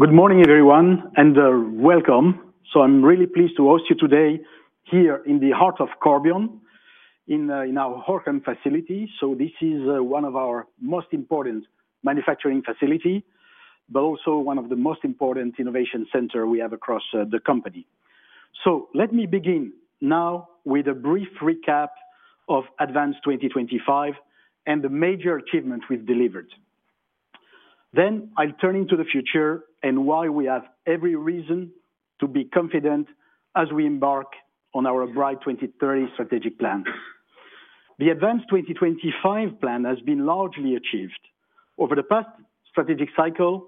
Good morning, everyone, and welcome. I'm really pleased to host you today here in the heart of Corbion, in our Gorinchem facility. This is one of our most important manufacturing facilities, but also one of the most important innovation centers we have across the company. Let me begin now with a brief recap of Advance 2025 and the major achievements we've delivered. I'll turn into the future and why we have every reason to be confident as we embark on our Bright 2030 strategic plan. The Advance 2025 plan has been largely achieved. Over the past strategic cycle,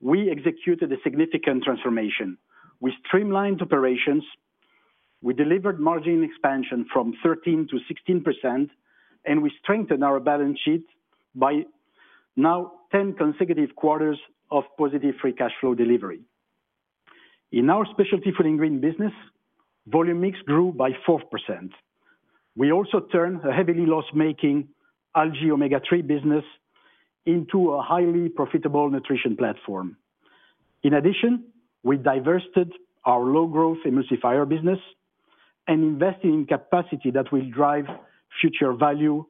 we executed a significant transformation. We streamlined operations, we delivered margin expansion from 13%-16%, and we strengthened our balance sheet by now 10 consecutive quarters of positive free cash flow delivery. In our specialty food and green business, volume mix grew by 4%. We also turned a heavily loss-making Algae Omega-3 business into a highly profitable nutrition platform. In addition, we divested our low-growth emulsifier business and invested in capacity that will drive future value,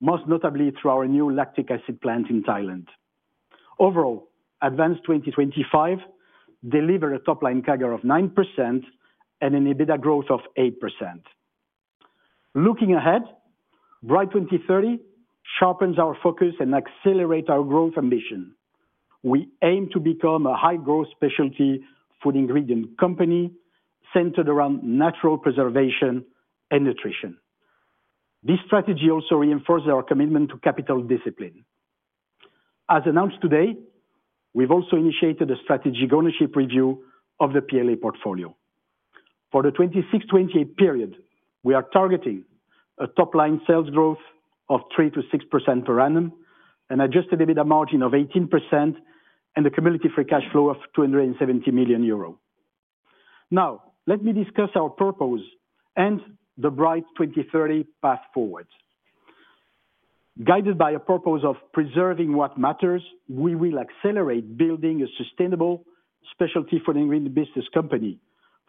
most notably through our new lactic acid plant in Thailand. Overall, Advance 2025 delivered a top-line CAGR of 9% and an EBITDA growth of 8%. Looking ahead, Bright 2030 sharpens our focus and accelerates our growth ambition. We aim to become a high-growth specialty food ingredient company centered around natural preservation and nutrition. This strategy also reinforces our commitment to capital discipline. As announced today, we've also initiated a strategy ownership review of the PLA portfolio. For the 2026-2028 period, we are targeting a top-line sales growth of 3%-6% per annum, an adjusted EBITDA margin of 18%, and a cumulative free cash flow of 270 million euro. Now, let me discuss our purpose and the Bright 2030 path forward. Guided by a purpose of preserving what matters, we will accelerate building a sustainable specialty food and green business company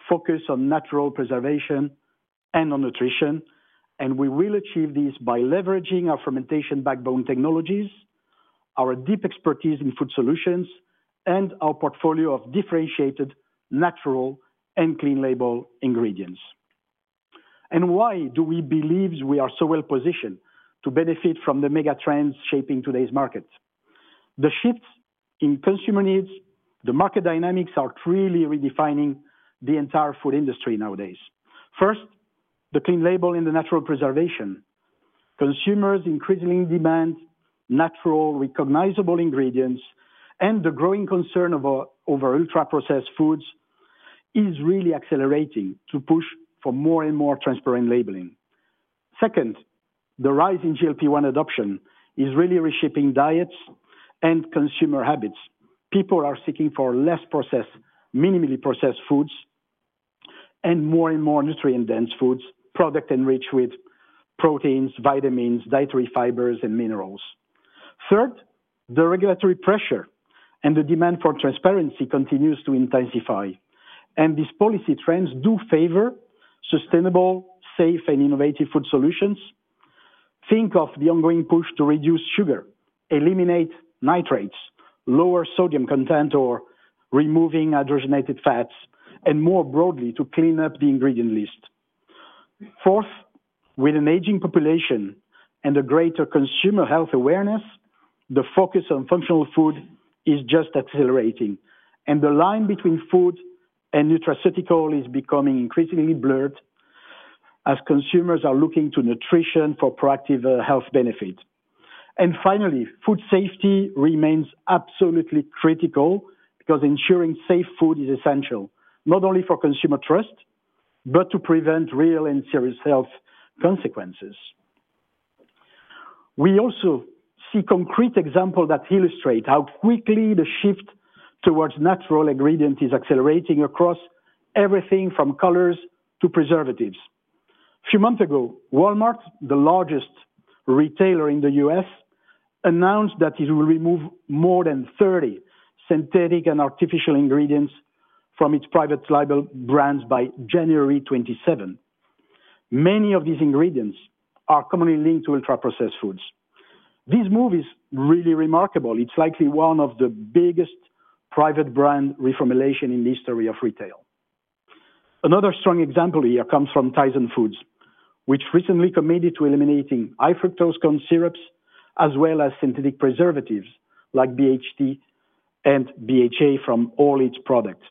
focused on natural preservation and on nutrition. We will achieve this by leveraging our fermentation backbone technologies, our deep expertise in food solutions, and our portfolio of differentiated natural and clean-label ingredients. Why do we believe we are so well positioned to benefit from the mega trends shaping today's market? The shift in consumer needs, the market dynamics are really redefining the entire food industry nowadays. First, the clean label and the natural preservation. Consumers increasingly demand natural, recognizable ingredients, and the growing concern over ultra-processed foods is really accelerating to push for more and more transparent labeling. Second, the rise in GLP-1 adoption is really reshaping diets and consumer habits. People are seeking for less processed, minimally processed foods and more and more nutrient-dense foods, products enriched with proteins, vitamins, dietary fibers, and minerals. Third, the regulatory pressure and the demand for transparency continues to intensify. These policy trends do favor sustainable, safe, and innovative food solutions. Think of the ongoing push to reduce sugar, eliminate nitrates, lower sodium content, or removing hydrogenated fats, and more broadly, to clean up the ingredient list. Fourth, with an aging population and a greater consumer health awareness, the focus on functional food is just accelerating. The line between food and nutraceutical is becoming increasingly blurred as consumers are looking to nutrition for proactive health benefits. Finally, food safety remains absolutely critical because ensuring safe food is essential, not only for consumer trust, but to prevent real and serious health consequences. We also see concrete examples that illustrate how quickly the shift towards natural ingredients is accelerating across everything from colors to preservatives. A few months ago, Walmart, the largest retailer in the U.S., announced that it will remove more than 30 synthetic and artificial ingredients from its private label brands by January 27. Many of these ingredients are commonly linked to ultra-processed foods. This move is really remarkable. It is likely one of the biggest private brand reformulations in the history of retail. Another strong example here comes from Tyson Foods, which recently committed to eliminating high-fructose corn syrups as well as synthetic preservatives like BHT and BHA from all its products.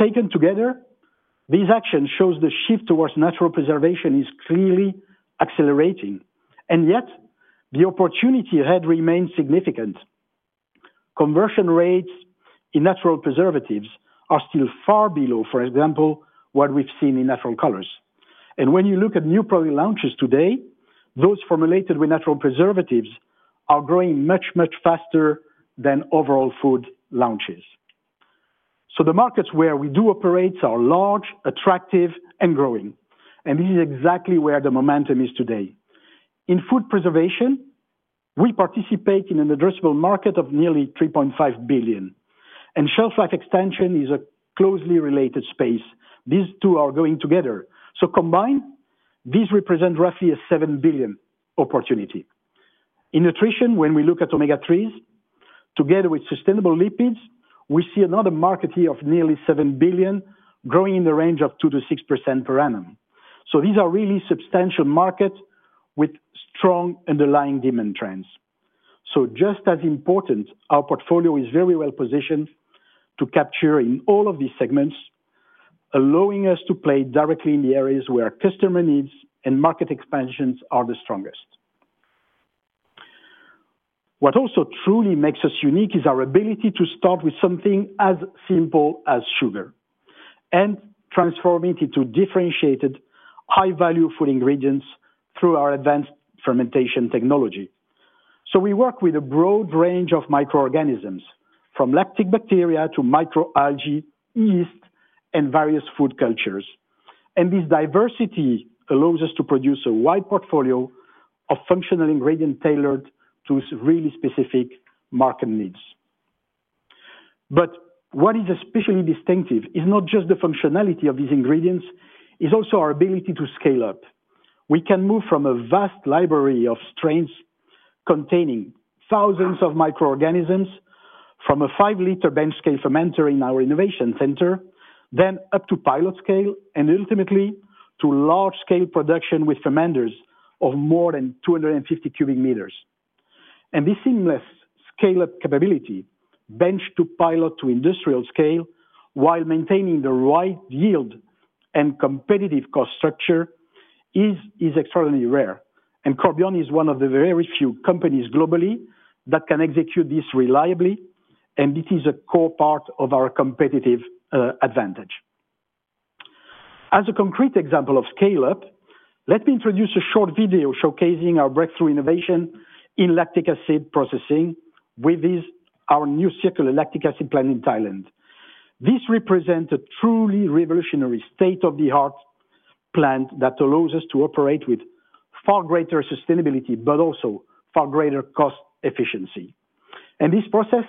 Taken together, this action shows the shift towards natural preservation is clearly accelerating. Yet, the opportunity ahead remains significant. Conversion rates in natural preservatives are still far below, for example, what we have seen in natural colors. When you look at new produce launches today, those formulated with natural preservatives are growing much, much faster than overall food launches. The markets where we do operate are large, attractive, and growing. This is exactly where the momentum is today. In food preservation, we participate in an addressable market of nearly $3.5 billion. Shelf life extension is a closely related space. These two are going together. Combined, these represent roughly a $7 billion opportunity. In nutrition, when we look at Omega-3s, together with sustainable lipids, we see another market here of nearly $7 billion growing in the range of 2%-6% per annum. These are really substantial markets with strong underlying demand trends. Just as important, our portfolio is very well positioned to capture in all of these segments, allowing us to play directly in the areas where customer needs and market expansions are the strongest. What also truly makes us unique is our ability to start with something as simple as sugar and transform it into differentiated, high-value food ingredients through our advanced fermentation technology. We work with a broad range of microorganisms, from lactic bacteria to microalgae, yeast, and various food cultures. This diversity allows us to produce a wide portfolio of functional ingredients tailored to really specific market needs. What is especially distinctive is not just the functionality of these ingredients; it is also our ability to scale up. We can move from a vast library of strains containing thousands of microorganisms from a 5-liter bench scale fermenter in our innovation center, then up to pilot scale, and ultimately to large-scale production with fermenters of more than 250 cubic meters. This seamless scale-up capability, bench to pilot to industrial scale, while maintaining the right yield and competitive cost structure, is extraordinarily rare. Corbion is one of the very few companies globally that can execute this reliably, and it is a core part of our competitive advantage. As a concrete example of scale-up, let me introduce a short video showcasing our breakthrough innovation in lactic acid processing with our new circular lactic acid plant in Thailand. This represents a truly revolutionary state-of-the-art plant that allows us to operate with far greater sustainability, but also far greater cost efficiency. This process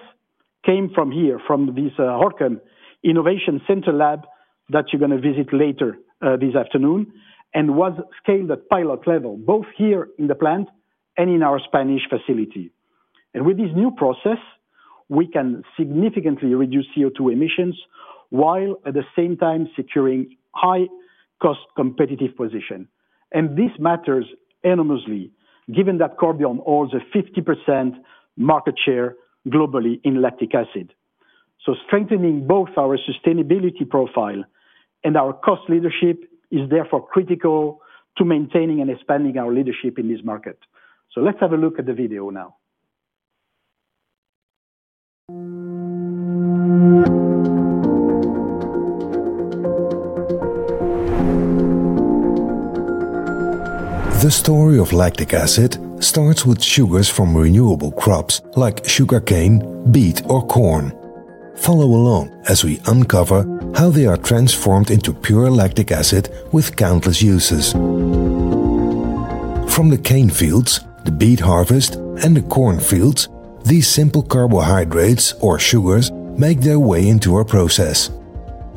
came from here, from this Gorinchem Innovation Center lab that you're going to visit later this afternoon, and was scaled at pilot level, both here in the plant and in our Spanish facility. With this new process, we can significantly reduce CO2 emissions while at the same time securing a high-cost competitive position. This matters enormously, given that Corbion holds a 50% market share globally in lactic acid. Strengthening both our sustainability profile and our cost leadership is therefore critical to maintaining and expanding our leadership in this market. Let's have a look at the video now. The story of lactic acid starts with sugars from renewable crops like sugarcane, beet, or corn. Follow along as we uncover how they are transformed into pure lactic acid with countless uses. From the cane fields, the beet harvest, and the corn fields, these simple carbohydrates, or sugars, make their way into our process.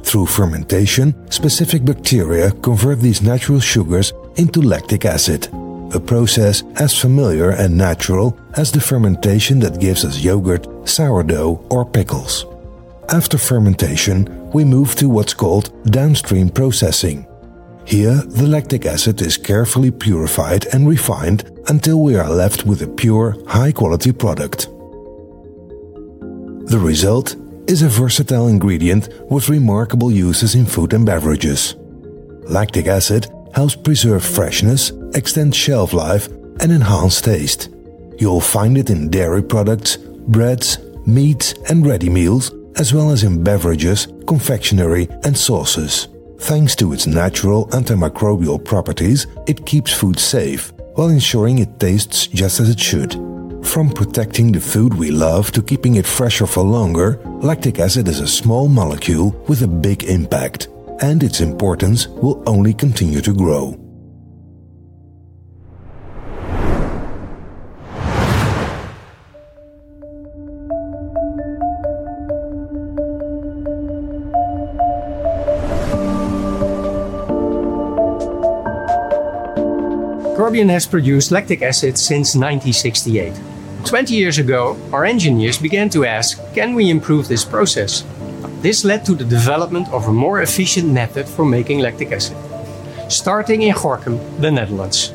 Through fermentation, specific bacteria convert these natural sugars into lactic acid, a process as familiar and natural as the fermentation that gives us yogurt, sourdough, or pickles. After fermentation, we move to what is called downstream processing. Here, the lactic acid is carefully purified and refined until we are left with a pure, high-quality product. The result is a versatile ingredient with remarkable uses in food and beverages. Lactic acid helps preserve freshness, extend shelf life, and enhance taste. You'll find it in dairy products, breads, meats, and ready meals, as well as in beverages, confectionery, and sauces. Thanks to its natural antimicrobial properties, it keeps food safe while ensuring it tastes just as it should. From protecting the food we love to keeping it fresher for longer, lactic acid is a small molecule with a big impact, and its importance will only continue to grow. Corbion has produced lactic acid since 1968. Twenty years ago, our engineers began to ask, Can we improve this process? This led to the development of a more efficient method for making lactic acid, starting in Gorinchem, the Netherlands.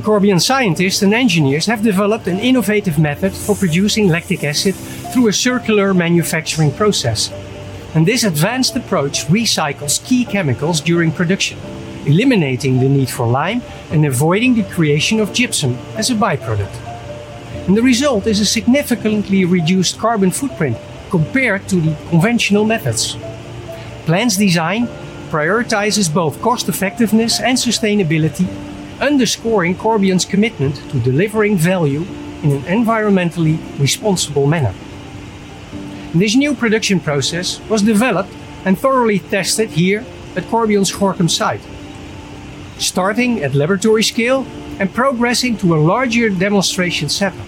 The Corbion scientists and engineers have developed an innovative method for producing lactic acid through a circular manufacturing process. This advanced approach recycles key chemicals during production, eliminating the need for lime and avoiding the creation of gypsum as a byproduct. The result is a significantly reduced carbon footprint compared to the conventional methods. The plant's design prioritizes both cost-effectiveness and sustainability, underscoring Corbion's commitment to delivering value in an environmentally responsible manner. This new production process was developed and thoroughly tested here at Corbion's Gorinchem site, starting at laboratory scale and progressing to a larger demonstration setup,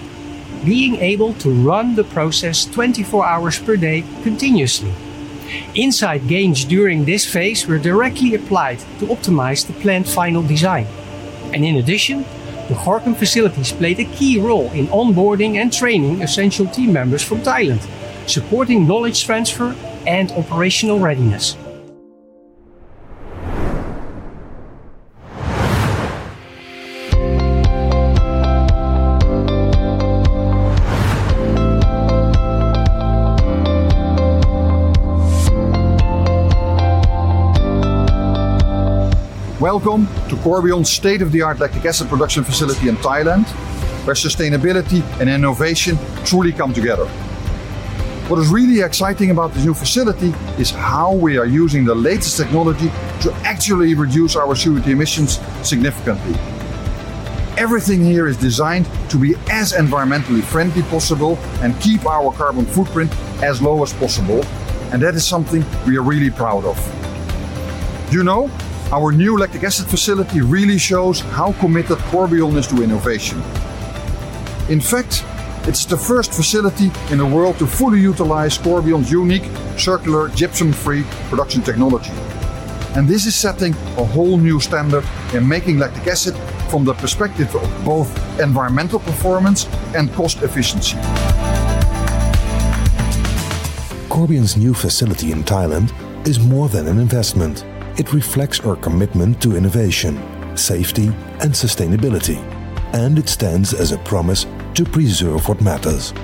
being able to run the process 24 hours per day continuously. Insight gains during this phase were directly applied to optimize the plant final design. In addition, the Gorinchem facilities played a key role in onboarding and training essential team members from Thailand, supporting knowledge transfer and operational readiness. Welcome to Corbion's state-of-the-art lactic acid production facility in Thailand, where sustainability and innovation truly come together. What is really exciting about this new facility is how we are using the latest technology to actually reduce our CO2 emissions significantly. Everything here is designed to be as environmentally friendly as possible and keep our carbon footprint as low as possible. That is something we are really proud of. You know, our new lactic acid facility really shows how committed Corbion is to innovation. In fact, it is the first facility in the world to fully utilize Corbion's unique circular gypsum-free production technology. This is setting a whole new standard in making lactic acid from the perspective of both environmental performance and cost efficiency. Corbion's new facility in Thailand is more than an investment. It reflects our commitment to innovation, safety, and sustainability. It stands as a promise to preserve what matters: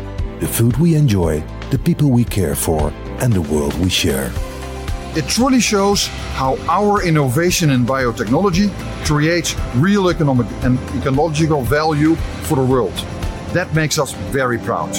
the food we enjoy, the people we care for, and the world we share. It truly shows how our innovation in biotechnology creates real economic and ecological value for the world. That makes us very proud.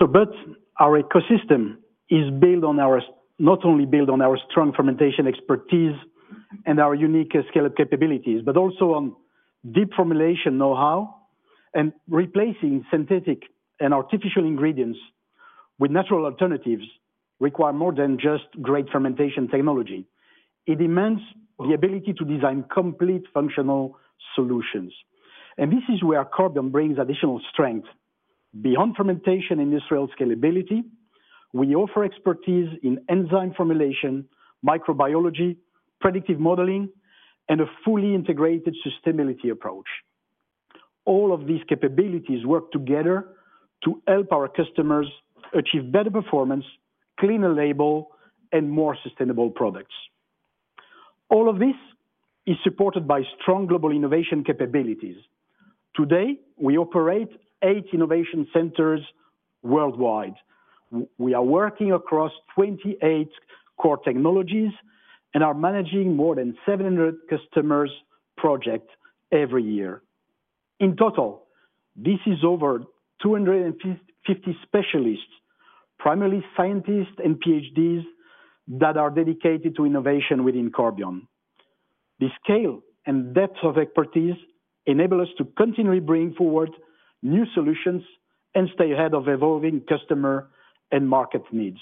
Our ecosystem is not only built on our strong fermentation expertise and our unique scale-up capabilities, but also on deep formulation know-how. Replacing synthetic and artificial ingredients with natural alternatives requires more than just great fermentation technology. It demands the ability to design complete functional solutions. This is where Corbion brings additional strength. Beyond fermentation and industrial scalability, we offer expertise in enzyme formulation, microbiology, predictive modeling, and a fully integrated sustainability approach. All of these capabilities work together to help our customers achieve better performance, cleaner label, and more sustainable products. All of this is supported by strong global innovation capabilities. Today, we operate eight innovation centers worldwide. We are working across 28 core technologies and are managing more than 700 customers' projects every year. In total, this is over 250 specialists, primarily scientists and PhDs, that are dedicated to innovation within Corbion. The scale and depth of expertise enable us to continually bring forward new solutions and stay ahead of evolving customer and market needs.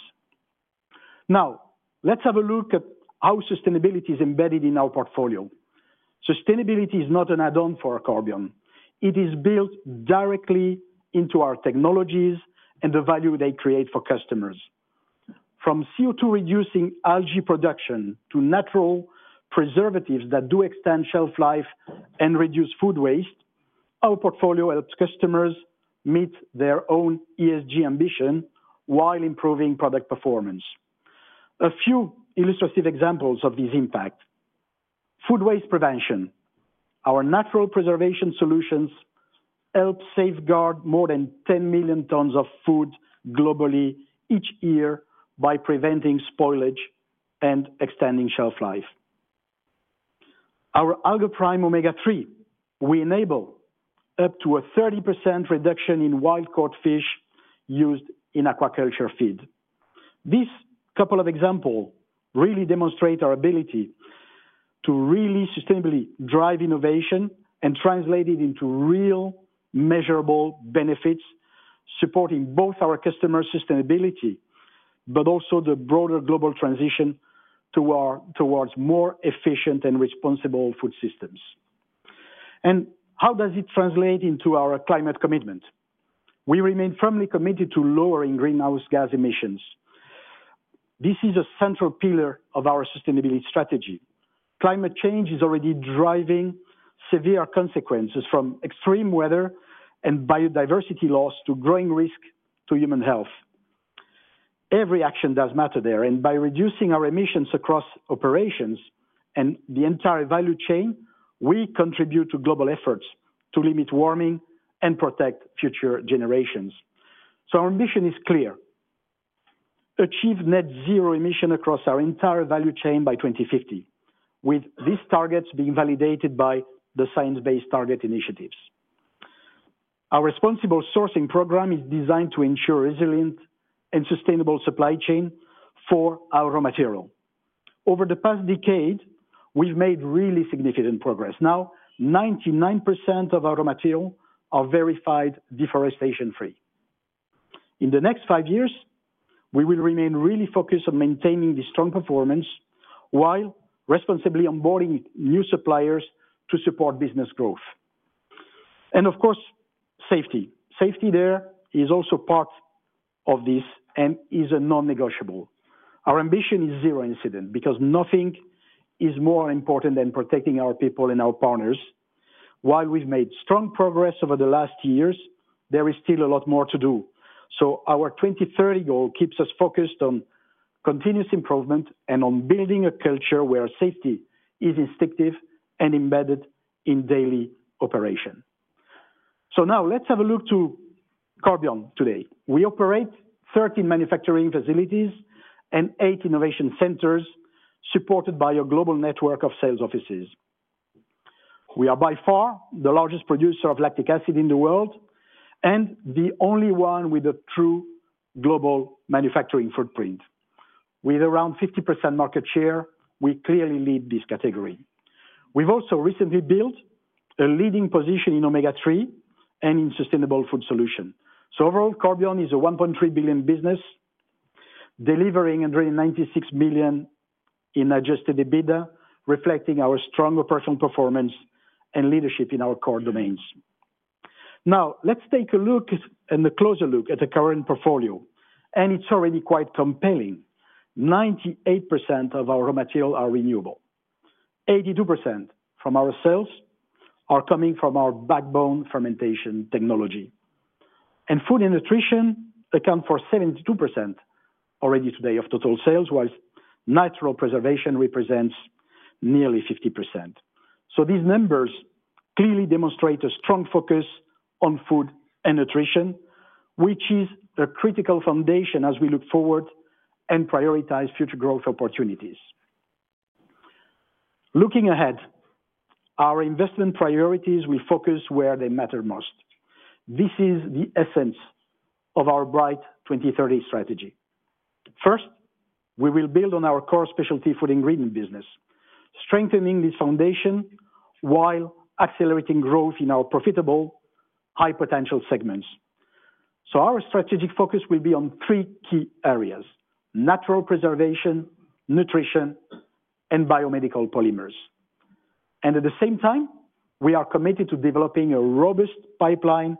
Now, let's have a look at how sustainability is embedded in our portfolio. Sustainability is not an add-on for Corbion. It is built directly into our technologies and the value they create for customers. From CO2-reducing algae production to natural preservatives that do extend shelf life and reduce food waste, our portfolio helps customers meet their own ESG ambition while improving product performance. A few illustrative examples of this impact food waste prevention. Our natural preservation solutions help safeguard more than 10 million tons of food globally each year by preventing spoilage and extending shelf life. Our AlgaPrime Omega-3, we enable up to a 30% reduction in wild-caught fish used in aquaculture feed. These couple of examples really demonstrate our ability to really sustainably drive innovation and translate it into real measurable benefits, supporting both our customer sustainability, but also the broader global transition towards more efficient and responsible food systems. How does it translate into our climate commitment? We remain firmly committed to lowering Greenhouse Gas emissions. This is a central pillar of our sustainability strategy. Climate change is already driving severe consequences, from extreme weather and biodiversity loss to growing risk to human health. Every action does matter there. By reducing our emissions across operations and the entire value chain, we contribute to global efforts to limit warming and protect future generations. Our ambition is clear achieve net-zero emission across our entire value chain by 2050, with these targets being validated by the science-based target initiatives. Our responsible sourcing program is designed to ensure a resilient and sustainable supply chain for our raw material. Over the past decade, we've made really significant progress. Now, 99% of our raw material are verified deforestation-free. In the next five years, we will remain really focused on maintaining this strong performance while responsibly onboarding new suppliers to support business growth. Of course, safety. Safety there is also part of this and is a non-negotiable. Our ambition is zero incident because nothing is more important than protecting our people and our partners. While we've made strong progress over the last years, there is still a lot more to do. Our 2030 goal keeps us focused on continuous improvement and on building a culture where safety is instinctive and embedded in daily operation. Now, let's have a look at Corbion today. We operate 13 manufacturing facilities and eight innovation centers supported by a global network of sales offices. We are by far the largest producer of lactic acid in the world and the only one with a true global manufacturing footprint. With around 50% market share, we clearly lead this category. We've also recently built a leading position in Omega-3 and in sustainable food solutions. Overall, Corbion is a 1.3 billion business delivering 196 million in adjusted EBITDA, reflecting our strong operational performance and leadership in our core domains. Let's take a look and a closer look at the current portfolio. It's already quite compelling. 98% of our raw material are renewable. 82% from our cells are coming from our backbone fermentation technology. Food and nutrition account for 72% already today of total sales, while natural preservation represents nearly 50%. These numbers clearly demonstrate a strong focus on food and nutrition, which is a critical foundation as we look forward and prioritize future growth opportunities. Looking ahead, our investment priorities will focus where they matter most. This is the essence of our Bright 2030 strategy. First, we will build on our core specialty food ingredient business, strengthening this foundation while accelerating growth in our profitable, high-potential segments. Our strategic focus will be on three key areas natural preservation, nutrition, and biomedical polymers. At the same time, we are committed to developing a robust pipeline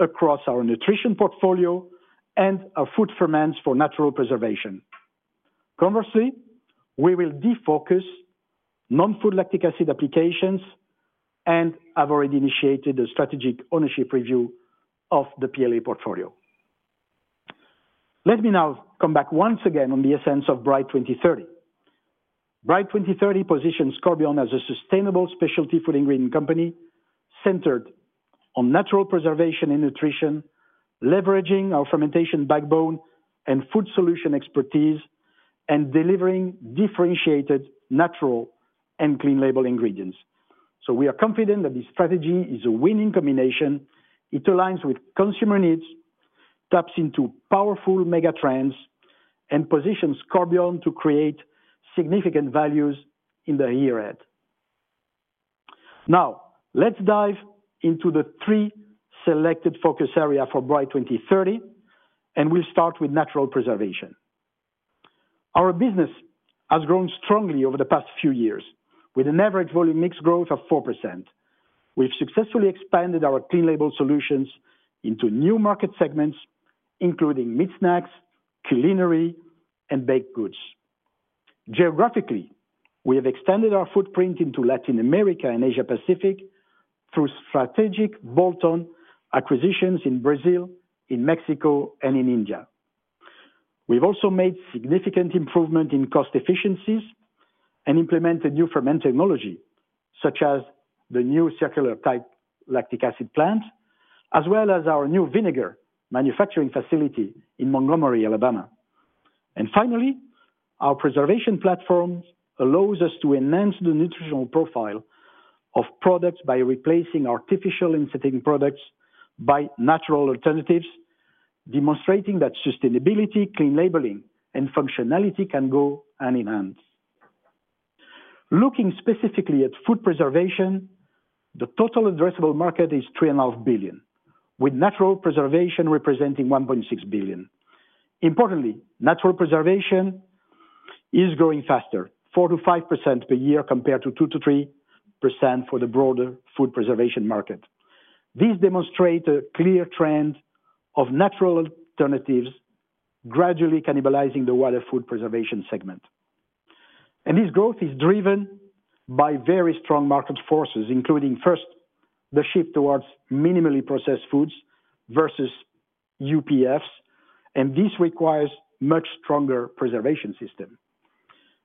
across our nutrition portfolio and our food ferments for natural preservation. Conversely, we will defocus non-food lactic acid applications and have already initiated a strategic ownership review of the PLA portfolio. Let me now come back once again on the essence of Bright 2030. Bright 2030 positions Corbion as a sustainable specialty food ingredient company centered on natural preservation and nutrition, leveraging our fermentation backbone and food solution expertise, and delivering differentiated, natural, and clean label ingredients. We are confident that this strategy is a winning combination. It aligns with consumer needs, taps into powerful megatrends, and positions Corbion to create significant values in the year ahead. Now, let's dive into the three selected focus areas for Bright 2030, and we'll start with natural preservation. Our business has grown strongly over the past few years, with an average volume mix growth of 4%. We've successfully expanded our clean label solutions into new market segments, including meat snacks, culinary, and baked goods. Geographically, we have extended our footprint into Latin America and Asia-Pacific through strategic bolt-on acquisitions in Brazil, in Mexico, and in India. We have also made significant improvements in cost efficiencies and implemented new ferment technology, such as the new circular-type lactic acid plant, as well as our new vinegar manufacturing facility in Montgomery, Alabama. Finally, our preservation platform allows us to enhance the nutritional profile of products by replacing artificial insulating products by natural alternatives, demonstrating that sustainability, clean labeling, and functionality can go hand in hand. Looking specifically at food preservation, the total addressable market is $3.5 billion, with natural preservation representing $1.6 billion. Importantly, natural preservation is growing faster, 4%-5% per year compared to 2%-3% for the broader food preservation market. This demonstrates a clear trend of natural alternatives gradually cannibalizing the wider food preservation segment. This growth is driven by very strong market forces, including, first, the shift towards minimally processed foods versus UPFs. This requires a much stronger preservation system.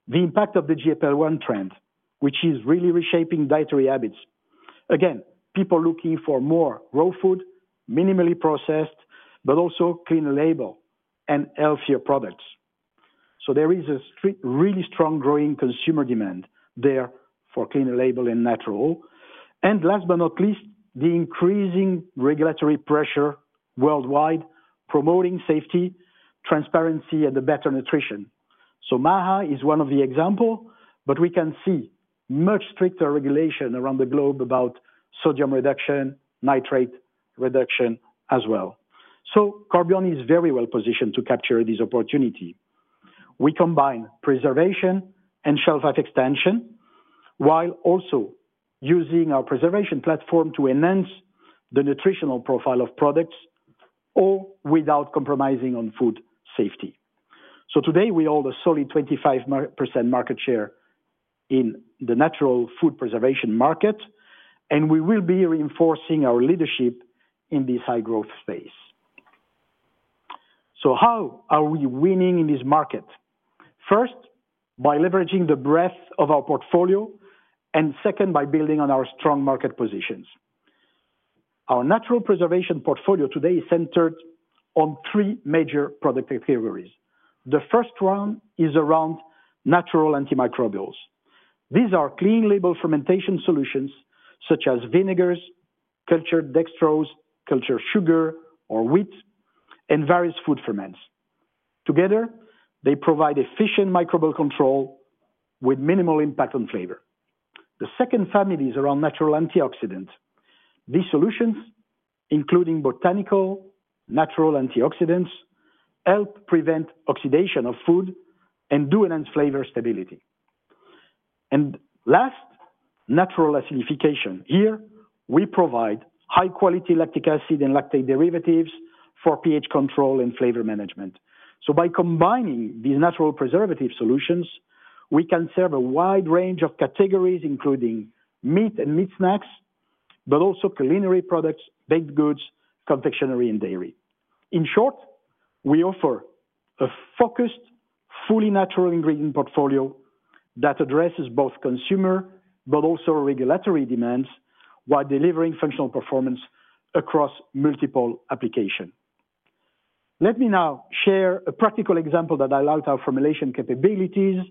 The impact of the GLP-1 trend, which is really reshaping dietary habits. Again, people are looking for more raw food, minimally processed, but also clean label and healthier products. There is a really strong growing consumer demand there for clean label and natural. Last but not least, the increasing regulatory pressure worldwide promoting safety, transparency, and better nutrition. MAGA is one of the examples, but we can see much stricter regulation around the globe about sodium reduction, nitrate reduction as well. Corbion is very well positioned to capture this opportunity. We combine preservation and shelf-life extension while also using our preservation platform to enhance the nutritional profile of products or without compromising on food safety. Today, we hold a solid 25% market share in the natural food preservation market, and we will be reinforcing our leadership in this high-growth space. How are we winning in this market? First, by leveraging the breadth of our portfolio, and second, by building on our strong market positions. Our natural preservation portfolio today is centered on three major product categories. The first one is around natural antimicrobials. These are clean label fermentation solutions such as vinegars, cultured dextrose, cultured sugar, or cultured wheat, and various food ferments. Together, they provide efficient microbial control with minimal impact on flavor. The second family is around natural antioxidants. These solutions, including botanical natural antioxidants, help prevent oxidation of food and do enhance flavor stability. Last, natural acidification. Here, we provide high-quality lactic acid and lactate derivatives for pH control and flavor management. By combining these natural preservative solutions, we can serve a wide range of categories, including meat and meat snacks, but also culinary products, baked goods, confectionery, and dairy. In short, we offer a focused, fully natural ingredient portfolio that addresses both consumer but also regulatory demands while delivering functional performance across multiple applications. Let me now share a practical example that highlights our formulation capabilities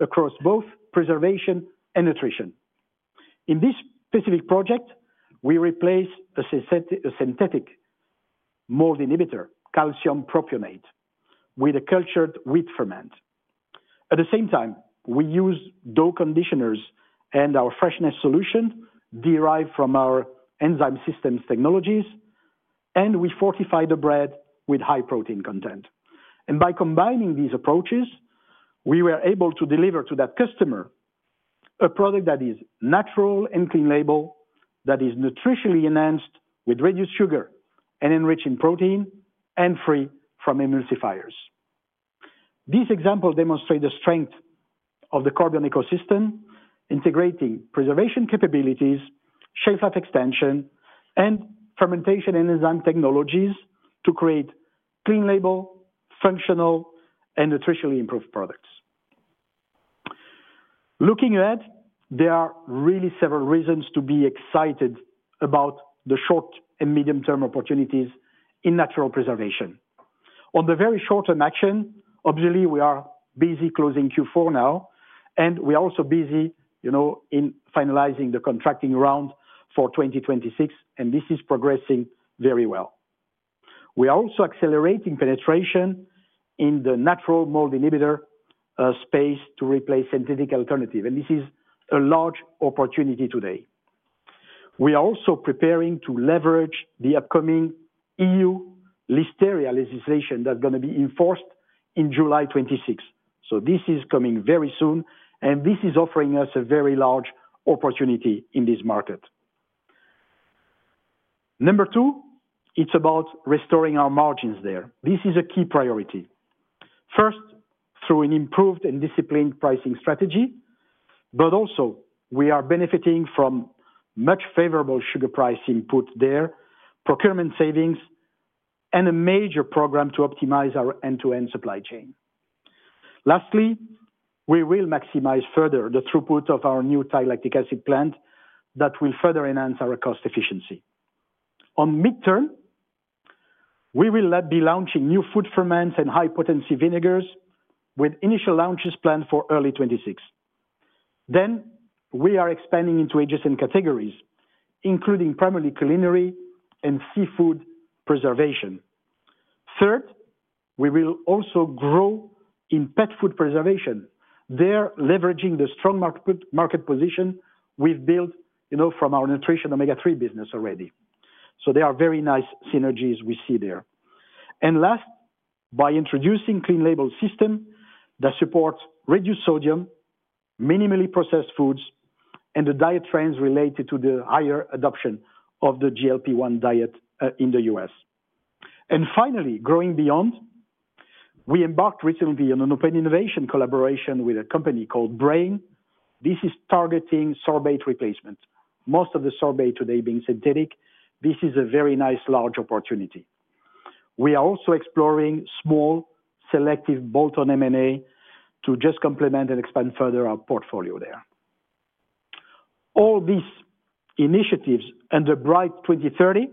across both preservation and nutrition. In this specific project, we replace a synthetic mold inhibitor, calcium propionate, with a cultured wheat ferment. At the same time, we use dough conditioners and our freshness solution derived from our enzyme systems technologies, and we fortify the bread with high protein content. By combining these approaches, we were able to deliver to that customer a product that is natural and clean label, that is nutritionally enhanced with reduced sugar and enriched in protein and free from emulsifiers. These examples demonstrate the strength of the Corbion ecosystem, integrating preservation capabilities, shelf-life extension, and fermentation and enzyme technologies to create clean label, functional, and nutritionally improved products. Looking ahead, there are really several reasons to be excited about the short and medium-term opportunities in natural preservation. On the very short-term action, obviously, we are busy closing Q4 now, and we are also busy in finalizing the contracting round for 2026, and this is progressing very well. We are also accelerating penetration in the natural mold inhibitor space to replace synthetic alternatives, and this is a large opportunity today. We are also preparing to leverage the upcoming E.U. list area legislation that is going to be enforced on July 26. This is coming very soon, and this is offering us a very large opportunity in this market. Number two, it is about restoring our margins there. This is a key priority. First, through an improved and disciplined pricing strategy, but also we are benefiting from much favorable sugar price input there, procurement savings, and a major program to optimize our end-to-end supply chain. Lastly, we will maximize further the throughput of our new Thai lactic acid plant that will further enhance our cost efficiency. On midterm, we will be launching new food ferments and high-potency vinegars with initial launches planned for early 2026. We are expanding into adjacent categories, including primarily culinary and seafood preservation. Third, we will also grow in pet food preservation there, leveraging the strong market position we've built from our nutrition Omega-3 business already. There are very nice synergies we see there. Last, by introducing a clean label system that supports reduced sodium, minimally processed foods, and the diet trends related to the higher adoption of the GLP-1 diet in the U.S. Finally, growing beyond, we embarked recently on an open innovation collaboration with a company called Brain. This is targeting sorbate replacement. Most of the sorbate today being synthetic, this is a very nice large opportunity. We are also exploring small selective bolt-on M&A to just complement and expand further our portfolio there. All these initiatives and the Bright 2030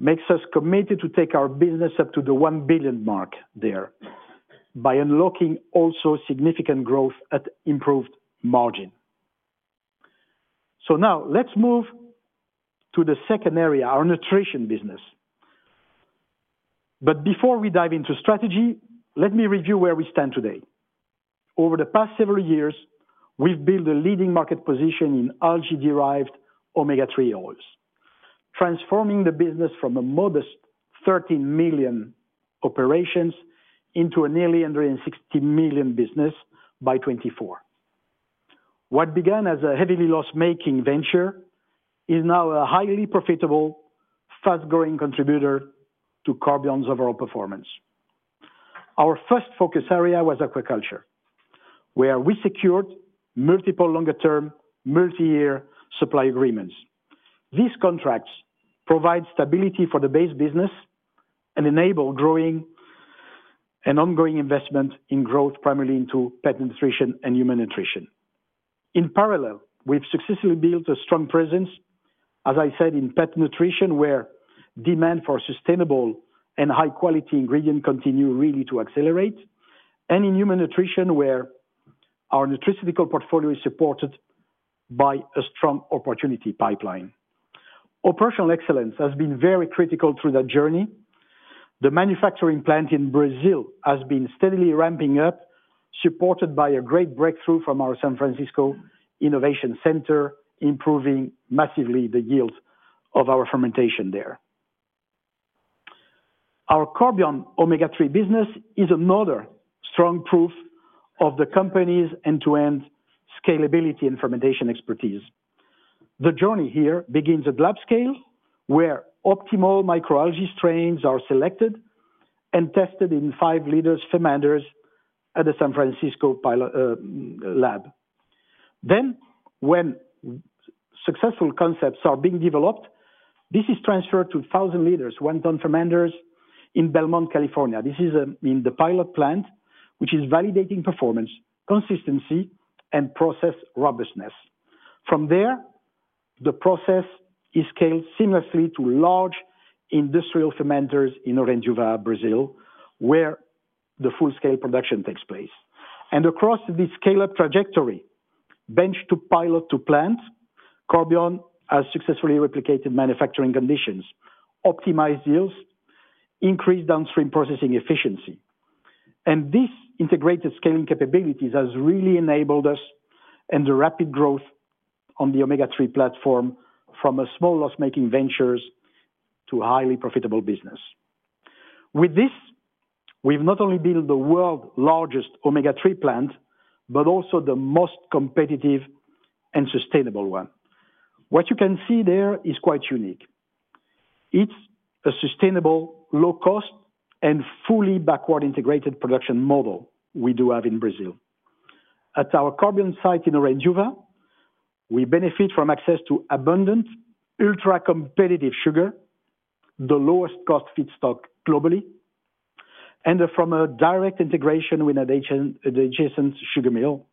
make us committed to take our business up to the 1 billion mark there by unlocking also significant growth at improved margin. Now, let's move to the second area, our nutrition business. Before we dive into strategy, let me review where we stand today. Over the past several years, we've built a leading market position in algae-derived Omega-3 oils, transforming the business from a modest 13 million operation into a nearly 160 million business by 2024. What began as a heavily loss-making venture is now a highly profitable, fast-growing contributor to Corbion's overall performance. Our first focus area was aquaculture, where we secured multiple longer-term, multi-year supply agreements. These contracts provide stability for the base business and enable growing and ongoing investment in growth primarily into pet nutrition and human nutrition. In parallel, we've successfully built a strong presence, as I said, in pet nutrition, where demand for sustainable and high-quality ingredients continues really to accelerate, and in human nutrition, where our nutritional portfolio is supported by a strong opportunity pipeline. Operational excellence has been very critical through that journey. The manufacturing plant in Brazil has been steadily ramping up, supported by a great breakthrough from our San Francisco Innovation Center, improving massively the yields of our fermentation there. Our Corbion Omega-3 business is another strong proof of the company's end-to-end scalability and fermentation expertise. The journey here begins at lab scale, where optimal microalgae strains are selected and tested in five liters fermenters at the San Francisco lab. When successful concepts are being developed, this is transferred to 1,000 liters went on fermenters in Belmont, California. This is in the pilot plant, which is validating performance, consistency, and process robustness. From there, the process is scaled seamlessly to large industrial fermenters in Urupês, Brazil, where the full-scale production takes place. Across the scale-up trajectory, bench to pilot to plant, Corbion has successfully replicated manufacturing conditions, optimized yields, increased downstream processing efficiency. This integrated scaling capability has really enabled us and the rapid growth on the Omega-3 platform from small loss-making ventures to highly profitable business. With this, we have not only built the world's largest Omega-3 plant, but also the most competitive and sustainable one. What you can see there is quite unique. It is a sustainable, low-cost, and fully backward-integrated production model we do have in Brazil. At our Corbion site in Urupês, we benefit from access to abundant, ultra-competitive sugar, the lowest cost feedstock globally, and from a direct integration with an adjacent sugar mill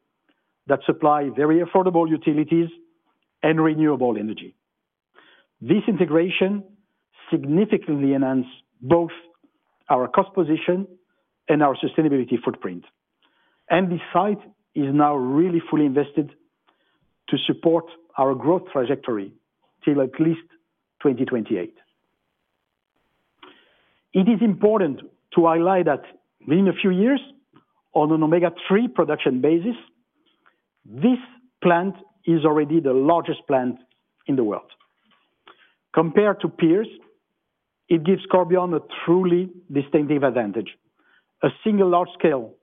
that supplies very affordable utilities and renewable energy. This integration significantly enhances both our cost position and our sustainability footprint. The site is now really fully invested to support our growth trajectory till at least 2028. It is important to highlight that within a few years, On an Omega-3 production basis, this plant is already the largest plant in the world. Compared to peers, it gives Corbion a truly distinctive advantage: a single large-scale,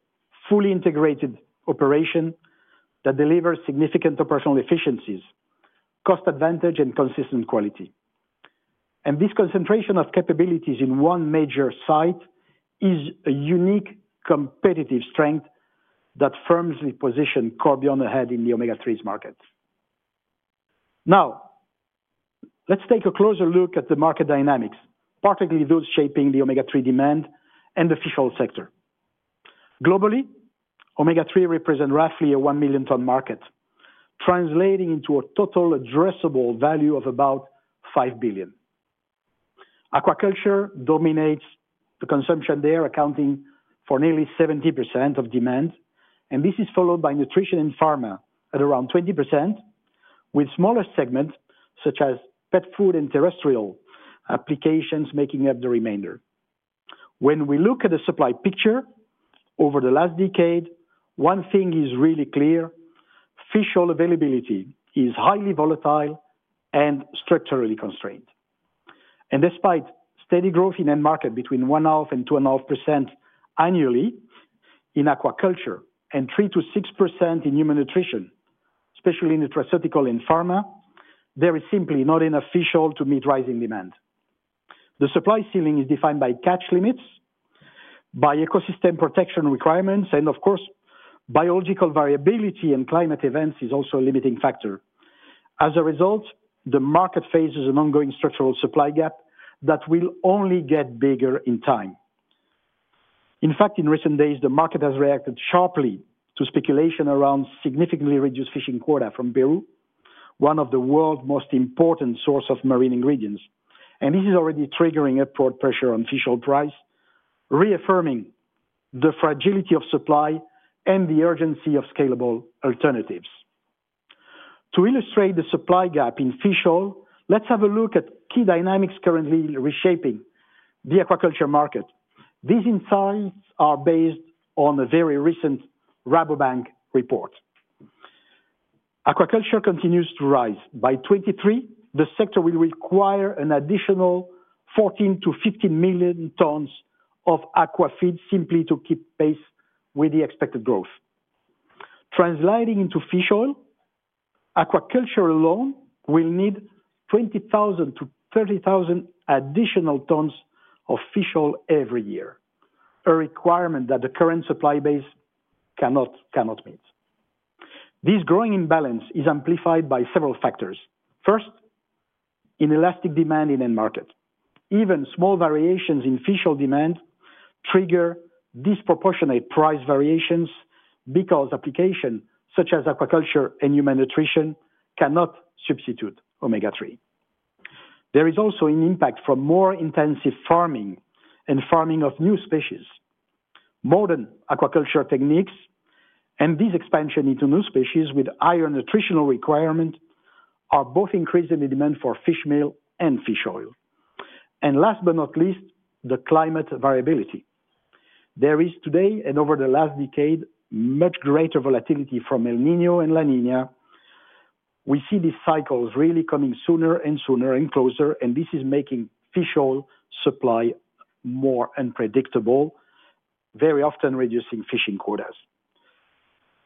fully integrated operation that delivers significant operational efficiencies, cost advantage, and consistent quality. This concentration of capabilities in one major site is a unique competitive strength that firmly positions Corbion ahead in the Omega-3s market. Now, let's take a closer look at the market dynamics, particularly those shaping the Omega-3 demand and the fish oil sector. Globally, Omega-3 represents roughly a 1 million-ton market, translating into a total addressable value of about $5 billion. Aquaculture dominates the consumption there, accounting for nearly 70% of demand, and this is followed by nutrition and pharma at around 20%, with smaller segments such as pet food and terrestrial applications making up the remainder. When we look at the supply picture over the last decade, one thing is really clear fish oil availability is highly volatile and structurally constrained. Despite steady growth in end market between 1.5% and 2.5% annually in aquaculture and 3%-6% in human nutrition, especially in the terrestrial and pharma, there is simply not enough fish oil to meet rising demand. The supply ceiling is defined by catch limits, by ecosystem protection requirements, and of course, biological variability and climate events are also a limiting factor. As a result, the market faces an ongoing structural supply gap that will only get bigger in time. In fact, in recent days, the market has reacted sharply to speculation around significantly reduced fishing quota from Peru, one of the world's most important sources of marine ingredients. This is already triggering upward pressure on fish oil price, reaffirming the fragility of supply and the urgency of scalable alternatives. To illustrate the supply gap in fish oil, let's have a look at key dynamics currently reshaping the aquaculture market. These insights are based on a very recent Rabobank report. Aquaculture continues to rise. By 2023, the sector will require an additional 14 million-15 million tons of aquafeed simply to keep pace with the expected growth. Translating into fish oil, aquaculture alone will need 20,000-30,000 additional tons of fish oil every year, a requirement that the current supply base cannot meet. This growing imbalance is amplified by several factors. First, inelastic demand in end market. Even small variations in fish oil demand trigger disproportionate price variations because applications such as aquaculture and human nutrition cannot substitute Omega-3. There is also an impact from more intensive farming and farming of new species. Modern aquaculture techniques and this expansion into new species with higher nutritional requirements are both increasing the demand for fish meal and fish oil. Last but not least, the climate variability. There is today and over the last decade much greater volatility from El Niño & La Niña. We see these cycles really coming sooner and sooner and closer, and this is making fish oil supply more unpredictable, very often reducing fishing quotas.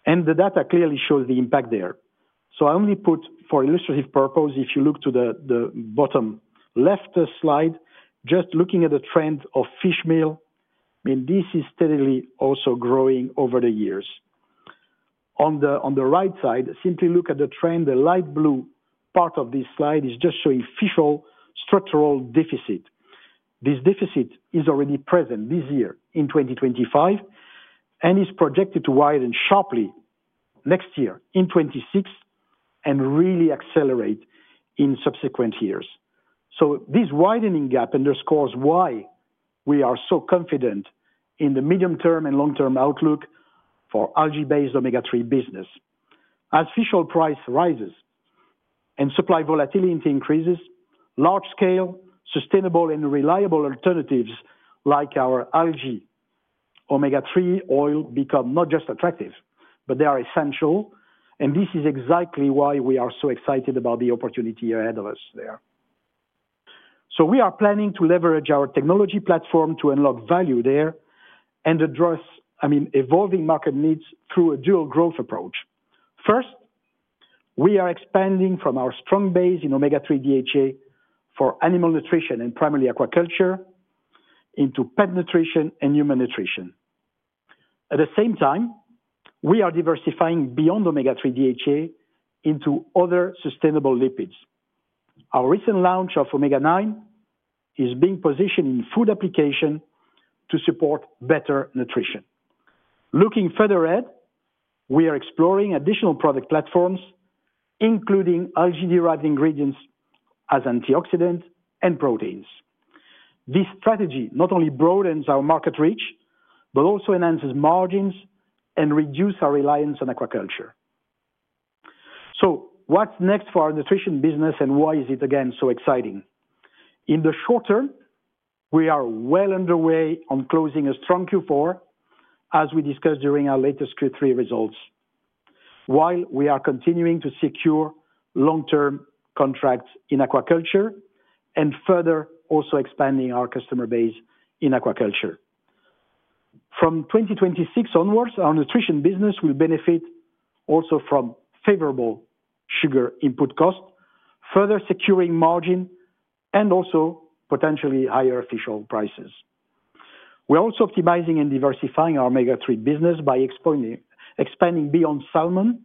The data clearly shows the impact there. I only put, for illustrative purpose, if you look to the bottom left slide, just looking at the trend of fish meal, I mean, this is steadily also growing over the years. On the right side, simply look at the trend. The light blue part of this slide is just showing fish oil structural deficit. This deficit is already present this year in 2025 and is projected to widen sharply next year in 2026 and really accelerate in subsequent years. This widening gap underscores why we are so confident in the medium-term and long-term outlook for algae-based Omega-3 business. As fish oil price rises and supply volatility increases, large-scale, sustainable, and reliable alternatives like our Algae Omega-3 oil become not just attractive, but they are essential. This is exactly why we are so excited about the opportunity ahead of us there. We are planning to leverage our technology platform to unlock value there and address, I mean, evolving market needs through a dual growth approach. First, we are expanding from our strong base in Omega-3 DHA for animal nutrition and primarily aquaculture into pet nutrition and human nutrition. At the same time, we are diversifying beyond Omega-3 DHA into other sustainable lipids. Our recent launch of Omega-9 is being positioned in food application to support better nutrition. Looking further ahead, we are exploring additional product platforms, including algae-derived ingredients as antioxidants and proteins. This strategy not only broadens our market reach, but also enhances margins and reduces our reliance on aquaculture. What is next for our nutrition business and why is it, again, so exciting? In the short term, we are well underway on closing a strong Q4, as we discussed during our latest Q3 results, while we are continuing to secure long-term contracts in aquaculture and further also expanding our customer base in aquaculture. From 2026 onwards, our nutrition business will benefit also from favorable sugar input costs, further securing margin, and also potentially higher fish oil prices. We are also optimizing and diversifying our Omega-3 business by expanding beyond salmon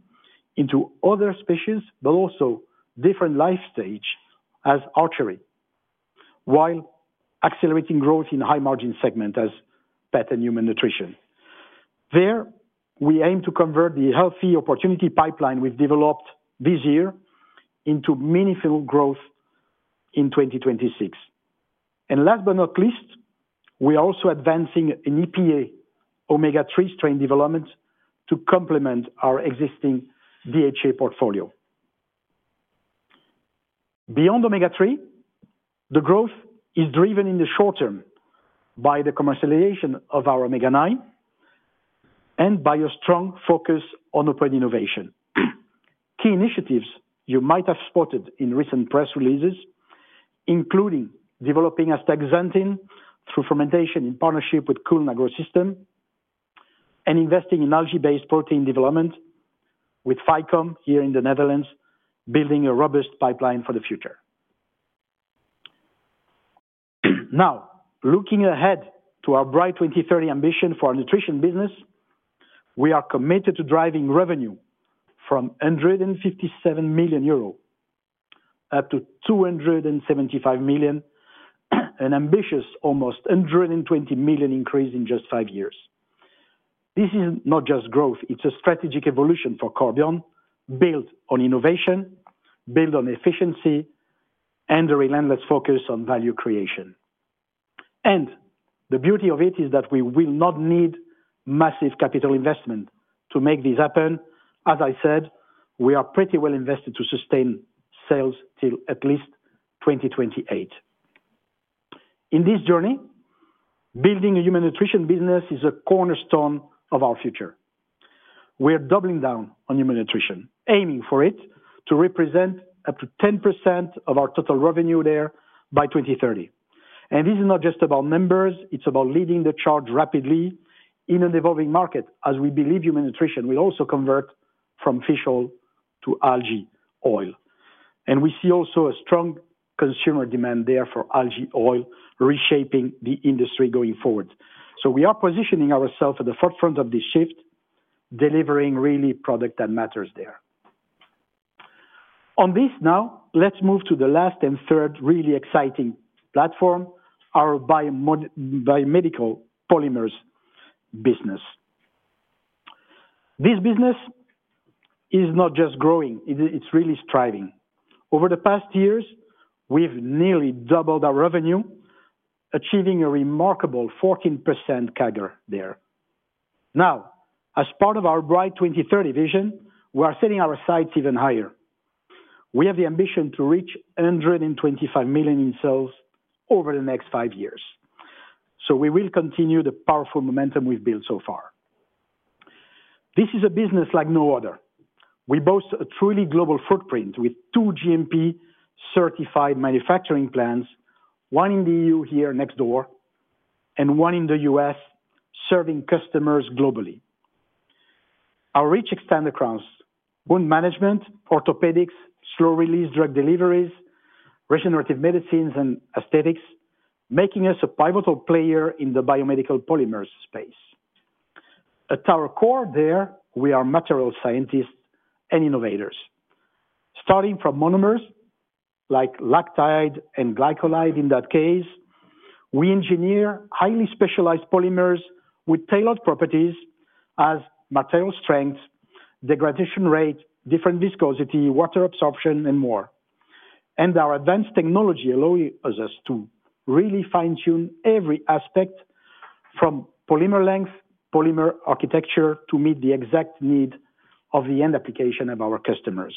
into other species, but also different life stages such as hatchery, while accelerating growth in high-margin segments such as pet and human nutrition. There, we aim to convert the healthy opportunity pipeline we have developed this year into meaningful growth in 2026. Last but not least, we are also advancing an EPA Omega-3 strain development to complement our existing DHA portfolio. Beyond Omega-3, the growth is driven in the short term by the commercialization of our Omega-9 and by a strong focus on open innovation. Key initiatives you might have spotted in recent press releases include developing Astaxanthin through fermentation in partnership with Kuehnle AgroSystems and investing in algae-based protein development with FICOM here in the Netherlands, building a robust pipeline for the future. Now, looking ahead to our Bright 2030 ambition for our nutrition business, we are committed to driving revenue from 157 million euros up to 275 million, an ambitious almost 120 million increase in just five years. This is not just growth. It's a strategic evolution for Corbion, built on innovation, built on efficiency, and a relentless focus on value creation. The beauty of it is that we will not need massive capital investment to make this happen. As I said, we are pretty well invested to sustain sales till at least 2028. In this journey, building a human nutrition business is a cornerstone of our future. We are doubling down on human nutrition, aiming for it to represent up to 10% of our total revenue there by 2030. This is not just about numbers. It is about leading the charge rapidly in an evolving market, as we believe human nutrition will also convert from fish oil to algae oil. We see also a strong consumer demand there for algae oil, reshaping the industry going forward. We are positioning ourselves at the forefront of this shift, delivering really product that matters there. On this now, let's move to the last and third really exciting platform, our biomedical polymers business. This business is not just growing. It's really striving. Over the past years, we've nearly doubled our revenue, achieving a remarkable 14% CAGR there. Now, as part of our Bright 2030 vision, we are setting our sights even higher. We have the ambition to reach 125 million in sales over the next five years. We will continue the powerful momentum we've built so far. This is a business like no other. We boast a truly global footprint with two GMP-certified manufacturing plants, one in the E.U. here next door and one in the U.S., serving customers globally. Our reach extends across wound management, orthopedics, slow-release drug deliveries, regenerative medicines, and aesthetics, making us a pivotal player in the biomedical polymers space. At our core there, we are material scientists and innovators. Starting from monomers like lactide and glycolide in that case, we engineer highly specialized polymers with tailored properties as material strength, degradation rate, different viscosity, water absorption, and more. Our advanced technology allows us to really fine-tune every aspect from polymer length, polymer architecture to meet the exact need of the end application of our customers.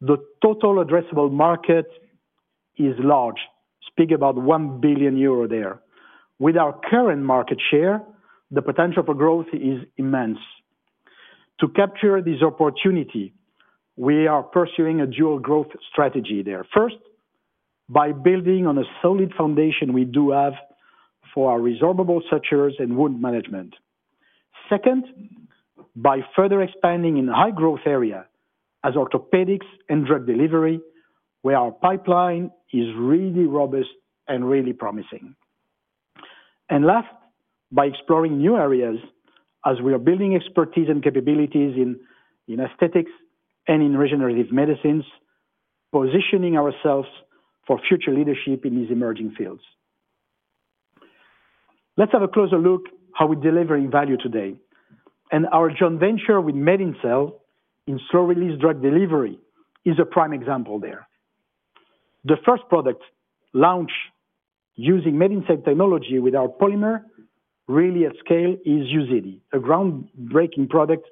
The total addressable market is large, speaking about 1 billion euro there. With our current market share, the potential for growth is immense. To capture this opportunity, we are pursuing a dual growth strategy there. First, by building on a solid foundation we do have for our resorbable sutures and wound management. Second, by further expanding in high-growth areas as orthopedics and drug delivery, where our pipeline is really robust and really promising. Last, by exploring new areas as we are building expertise and capabilities in aesthetics and in regenerative medicines, positioning ourselves for future leadership in these emerging fields. Let's have a closer look at how we're delivering value today. Our joint venture with MedinCell in slow-release drug delivery is a prime example there. The first product launched using MedinCell technology with our polymer, really at scale, is UZEDY, a groundbreaking product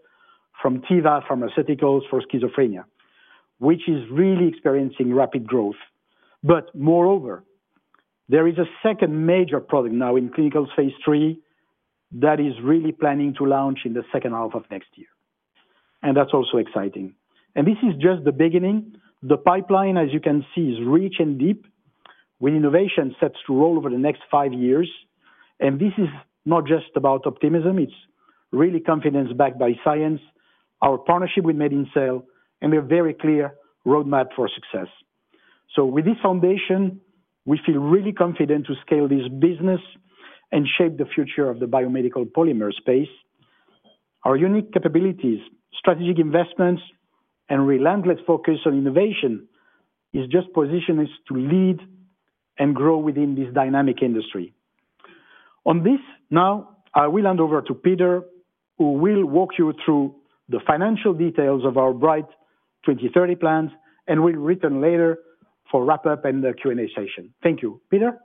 from Teva Pharmaceuticals for schizophrenia, which is really experiencing rapid growth. Moreover, there is a second major product now in clinical phase III that is really planning to launch in the second half of next year. That is also exciting. This is just the beginning. The pipeline, as you can see, is rich and deep with innovation set to roll over the next five years. This is not just about optimism. It's really confidence backed by science, our partnership with MedinCell, and a very clear roadmap for success. With this foundation, we feel really confident to scale this business and shape the future of the biomedical polymer space. Our unique capabilities, strategic investments, and relentless focus on innovation is just positioned us to lead and grow within this dynamic industry. On this now, I will hand over to Peter, who will walk you through the financial details of our Bright 2030 plans and will return later for wrap-up and the Q&A session. Thank you, Peter.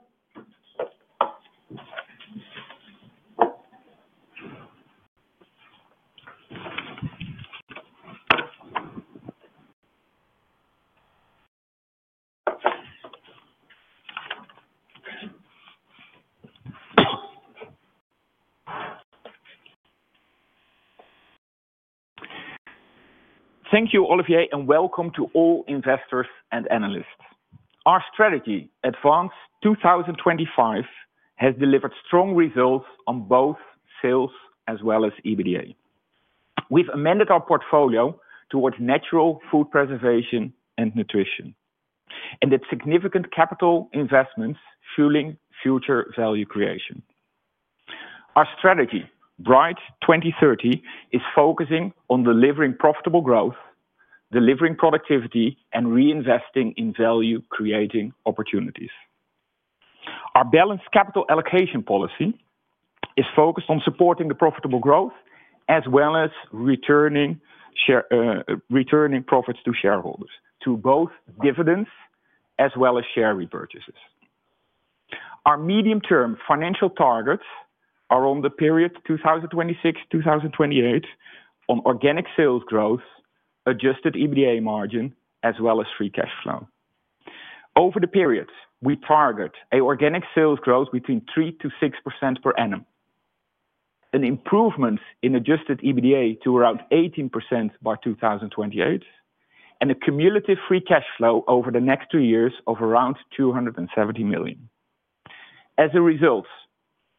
Thank you, Olivier, and welcome to all investors and analysts. Our strategy, Advance 2025, has delivered strong results on both sales as well as EBITDA. We've amended our portfolio towards natural food preservation and nutrition, and that significant capital investments fueling future value creation. Our strategy, Bright 2030, is focusing on delivering profitable growth, delivering productivity, and reinvesting in value-creating opportunities. Our balanced capital allocation policy is focused on supporting the profitable growth as well as returning profits to shareholders, to both dividends as well as share repurchases. Our medium-term financial targets are on the period 2026-2028 on organic sales growth, adjusted EBITDA margin, as well as free cash flow. Over the period, we target an organic sales growth between 3%-6% per annum, an improvement in adjusted EBITDA to around 18% by 2028, and a cumulative free cash flow over the next two years of around 270 million. As a result,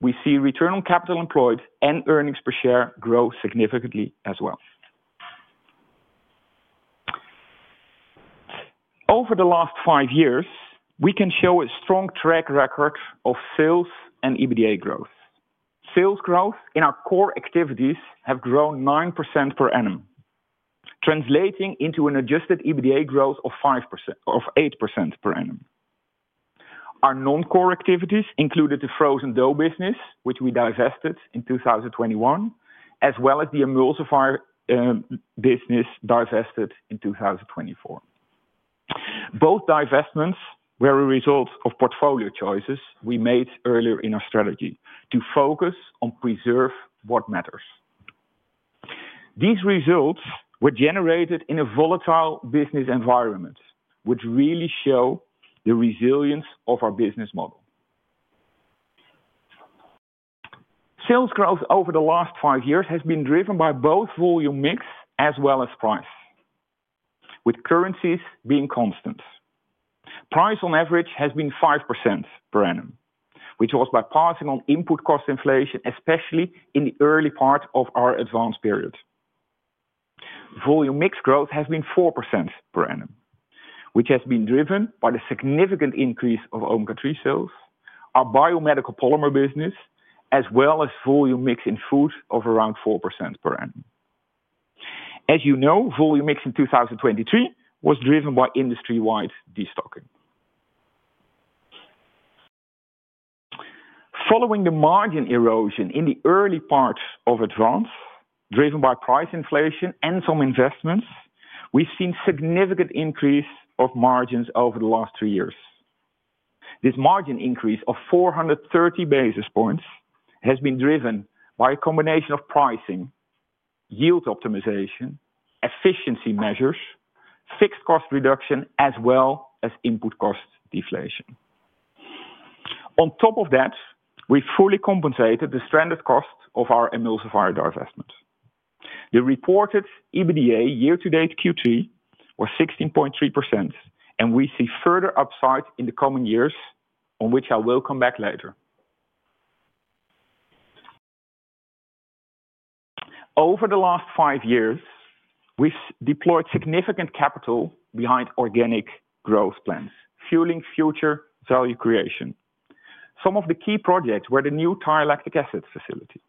we see return on capital employed and earnings per share grow significantly as well. Over the last five years, we can show a strong track record of sales and EBITDA growth. Sales growth in our core activities has grown 9% per annum, translating into an adjusted EBITDA growth of 8% per annum. Our non-core activities included the frozen dough business, which we divested in 2021, as well as the emulsifier business divested in 2024. Both divestments were a result of portfolio choices we made earlier in our strategy to focus on preserving what matters. These results were generated in a volatile business environment, which really shows the resilience of our business model. Sales growth over the last five years has been driven by both volume mix as well as price, with currencies being constant. Price on average has been 5% per annum, which was by passing on input cost inflation, especially in the early part of our advanced period. Volume mix growth has been 4% per annum, which has been driven by the significant increase of Omega-3 sales, our biomedical polymer business, as well as volume mix in food of around 4% per annum. As you know, volume mix in 2023 was driven by industry-wide destocking. Following the margin erosion in the early part of advance, driven by price inflation and some investments, we've seen a significant increase of margins over the last three years. This margin increase of 430 basis points has been driven by a combination of pricing, yield optimization, efficiency measures, fixed cost reduction, as well as input cost deflation. On top of that, we've fully compensated the stranded cost of our emulsifier divestment. The reported EBITDA year-to-date Q3 was 16.3%, and we see further upside in the coming years, on which I will come back later. Over the last five years, we've deployed significant capital behind organic growth plans, fueling future value creation. Some of the key projects were the new lactic acid facility,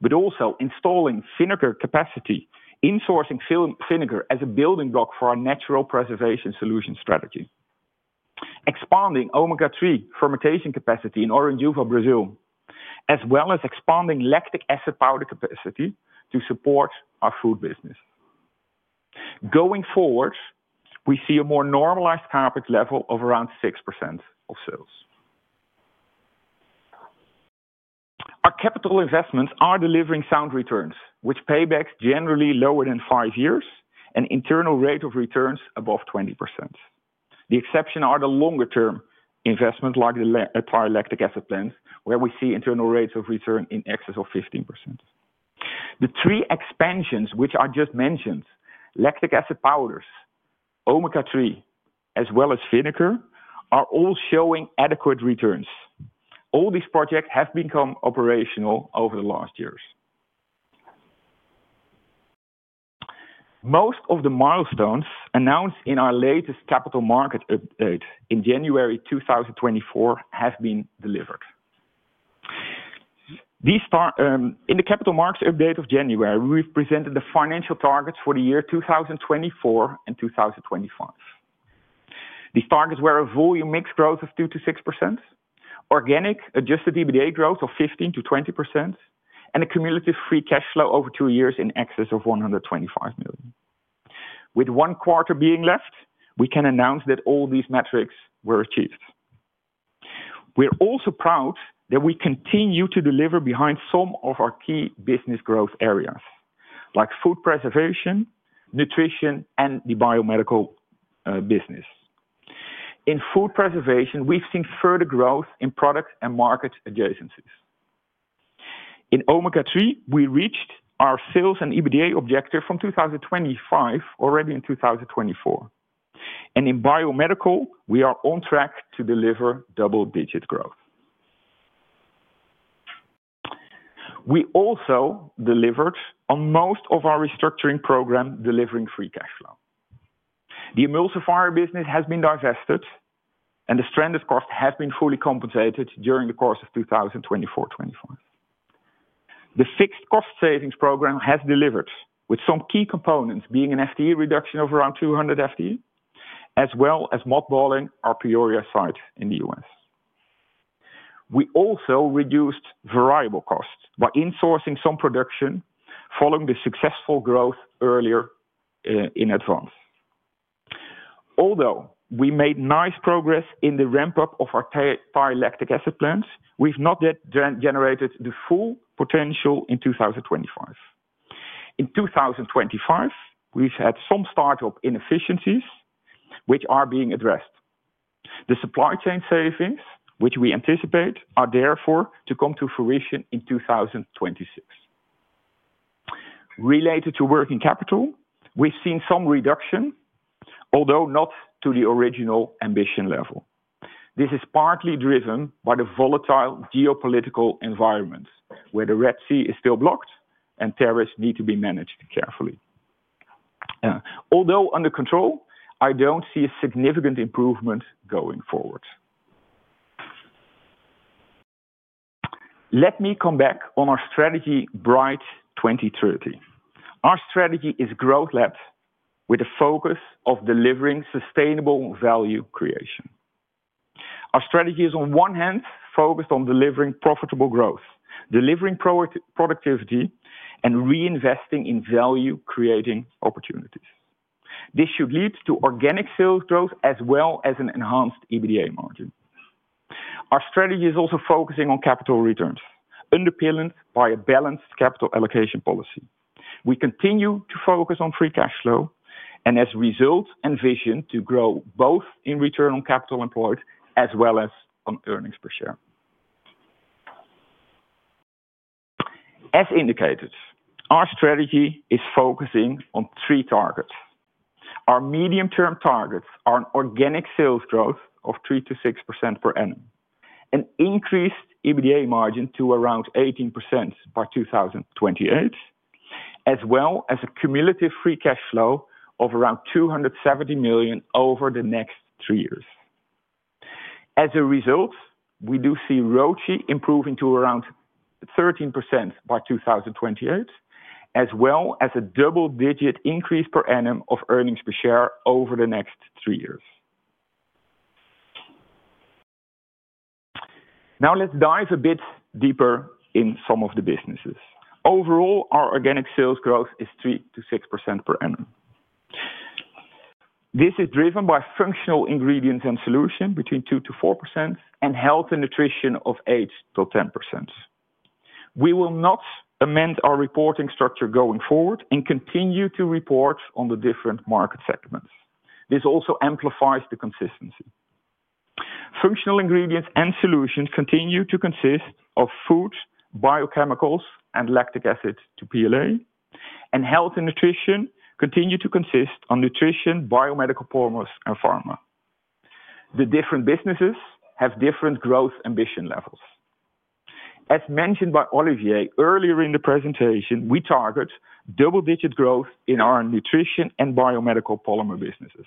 but also installing vinegar capacity, insourcing vinegar as a building block for our natural preservation solution strategy, expanding Omega-3 fermentation capacity in Urupês, Brazil, as well as expanding lactic acid powder capacity to support our food business. Going forward, we see a more normalized CapEx level of around 6% of sales. Our capital investments are delivering sound returns, with paybacks generally lower than five years and internal rate of returns above 20%. The exception are the longer-term investments like the lactic acid plants, where we see internal rates of return in excess of 15%. The three expansions which I just mentioned, lactic acid powders, Omega-3, as well as vinegar, are all showing adequate returns. All these projects have become operational over the last years. Most of the milestones announced in our latest capital market update in January 2024 have been delivered. In the capital markets update of January, we've presented the financial targets for the year 2024 and 2025. These targets were a volume mix growth of 2%-6%, organic adjusted EBITDA growth of 15%-20%, and a cumulative free cash flow over two years in excess of 125 million. With one quarter being left, we can announce that all these metrics were achieved. We're also proud that we continue to deliver behind some of our key business growth areas, like food preservation, nutrition, and the biomedical business. In food preservation, we've seen further growth in product and market adjacencies. In Omega-3, we reached our sales and EBITDA objective from 2025 already in 2024. In biomedical, we are on track to deliver double-digit growth. We also delivered on most of our restructuring program, delivering free cash flow. The emulsifier business has been divested, and the stranded cost has been fully compensated during the course of 2024-2025. The fixed cost savings program has delivered, with some key components being an FTE reduction of around 200 FTE, as well as mothballing our Peoria site in the U.S. We also reduced variable costs by insourcing some production following the successful growth earlier in advance. Although we made nice progress in the ramp-up of our Thai lactic acid plants, we have not yet generated the full potential in 2025. In 2025, we have had some startup inefficiencies, which are being addressed. The supply chain savings, which we anticipate, are therefore to come to fruition in 2026. Related to working capital, we've seen some reduction, although not to the original ambition level. This is partly driven by the volatile geopolitical environment, where the Red Sea is still blocked and tariffs need to be managed carefully. Although under control, I don't see a significant improvement going forward. Let me come back on our strategy, Bright 2030. Our strategy is growth-led, with a focus on delivering sustainable value creation. Our strategy is, on one hand, focused on delivering profitable growth, delivering productivity, and reinvesting in value-creating opportunities. This should lead to organic sales growth as well as an enhanced EBITDA margin. Our strategy is also focusing on capital returns, underpinned by a balanced capital allocation policy. We continue to focus on free cash flow and, as a result, envision to grow both in return on capital employed as well as on earnings per share. As indicated, our strategy is focusing on three targets. Our medium-term targets are an organic sales growth of 3%-6% per annum, an increased EBITDA margin to around 18% by 2028, as well as a cumulative free cash flow of around 270 million over the next three years. As a result, we do see ROCE improving to around 13% by 2028, as well as a double-digit increase per annum of earnings per share over the next three years. Now, let's dive a bit deeper in some of the businesses. Overall, our organic sales growth is 3%-6% per annum. This is driven by functional ingredients and solution between 2%-4% and health and nutrition of 8%-10%. We will not amend our reporting structure going forward and continue to report on the different market segments. This also amplifies the consistency. Functional ingredients and solutions continue to consist of food, biochemicals, and lactic acid to PLA, and health and nutrition continue to consist on nutrition, biomedical polymers, and pharma. The different businesses have different growth ambition levels. As mentioned by Olivier earlier in the presentation, we target double-digit growth in our nutrition and biomedical polymer businesses,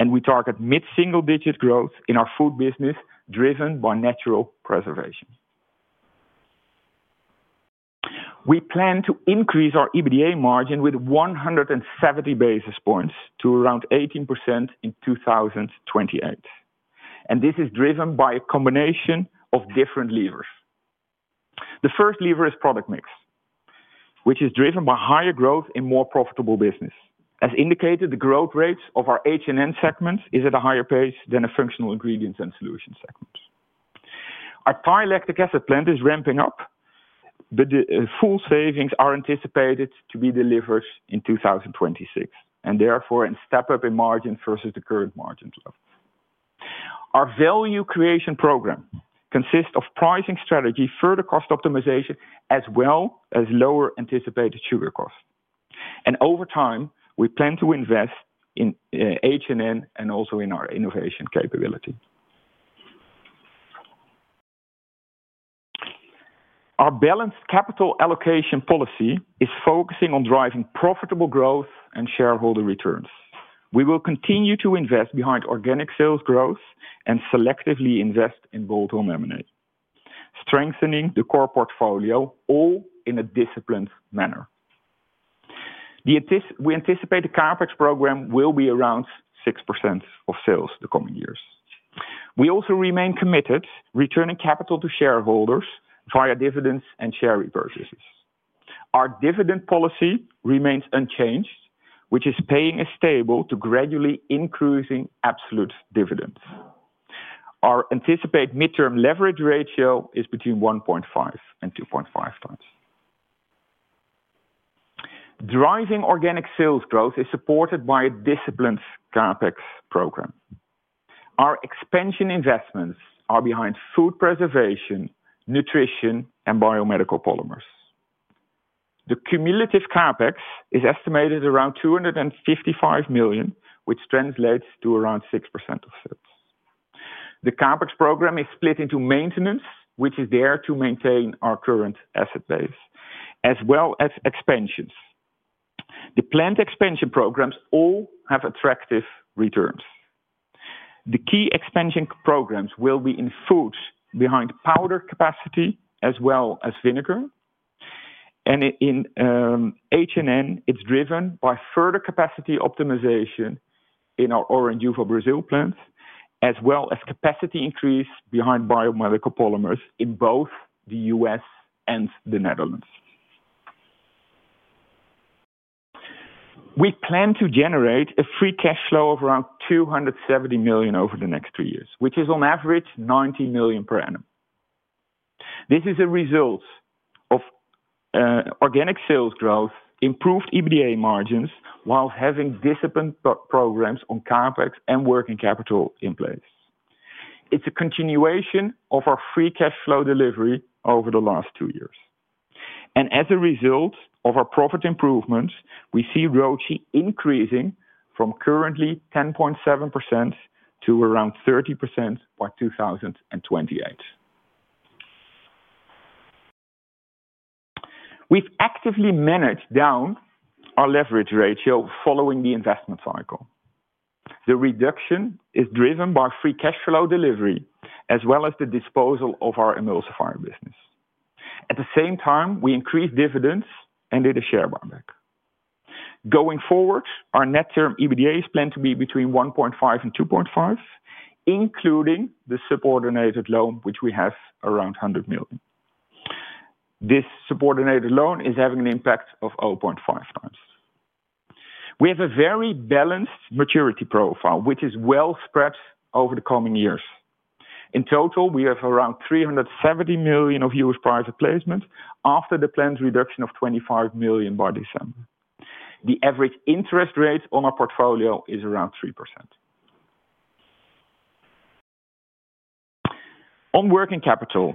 and we target mid-single-digit growth in our food business driven by natural preservation. We plan to increase our EBITDA margin with 170 basis points to around 18% in 2028, and this is driven by a combination of different levers. The first lever is product mix, which is driven by higher growth in more profitable business. As indicated, the growth rates of our H&N segment are at a higher pace than the functional ingredients and solution segments. Our Thai lactic acid plant is ramping up, but the full savings are anticipated to be delivered in 2026, and therefore a step up in margin versus the current margin level. Our value creation program consists of pricing strategy, further cost optimization, as well as lower anticipated sugar costs. Over time, we plan to invest in H&N and also in our innovation capability. Our balanced capital allocation policy is focusing on driving profitable growth and shareholder returns. We will continue to invest behind organic sales growth and selectively invest in bolt-on M&A, strengthening the core portfolio, all in a disciplined manner. We anticipate the CapEx program will be around 6% of sales the coming years. We also remain committed to returning capital to shareholders via dividends and share repurchases. Our dividend policy remains unchanged, which is paying a stable to gradually increasing absolute dividends. Our anticipated midterm leverage ratio is between 1.5 and 2.5 times. Driving organic sales growth is supported by a disciplined CapEx program. Our expansion investments are behind food preservation, nutrition, and biomedical polymers. The cumulative CapEx is estimated at around 255 million, which translates to around 6% of sales. The CapEx program is split into maintenance, which is there to maintain our current asset base, as well as expansions. The plant expansion programs all have attractive returns. The key expansion programs will be in food behind powder capacity, as well as vinegar. In H&N, it is driven by further capacity optimization in our Urupês, Brazil plant, as well as capacity increase behind biomedical polymers in both the U.S. and the Netherland. We plan to generate a free cash flow of around 270 million over the next three years, which is on average 90 million per annum. This is a result of organic sales growth, improved EBITDA margins, while having disciplined programs on CapEx and working capital in place. It is a continuation of our free cash flow delivery over the last two years. As a result of our profit improvements, we see ROCE increasing from currently 10.7% to around 30% by 2028. We have actively managed down our leverage ratio following the investment cycle. The reduction is driven by free cash flow delivery, as well as the disposal of our emulsifiers business. At the same time, we increased dividends and did a share buyback. Going forward, our net term EBITDA is planned to be between 1.5-2.5, including the subordinated loan, which we have around 100 million. This subordinated loan is having an impact of 0.5 times. We have a very balanced maturity profile, which is well spread over the coming years. In total, we have around 370 million of U.S. private placement after the planned reduction of 25 million by December. The average interest rate on our portfolio is around 3%. On working capital,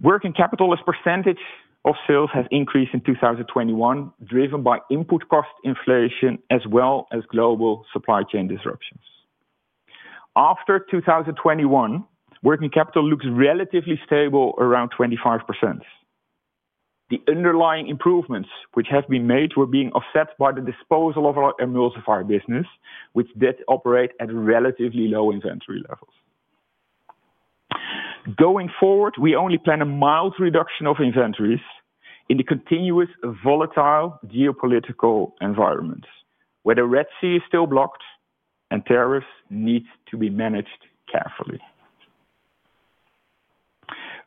working capital as a percentage of sales has increased in 2021, driven by input cost inflation, as well as global supply chain disruptions. After 2021, working capital looks relatively stable around 25%. The underlying improvements which have been made were being offset by the disposal of our emulsifier business, which did operate at relatively low inventory levels. Going forward, we only plan a mild reduction of inventories in the continuous volatile geopolitical environment, where the Red Sea is still blocked and tariffs need to be managed carefully.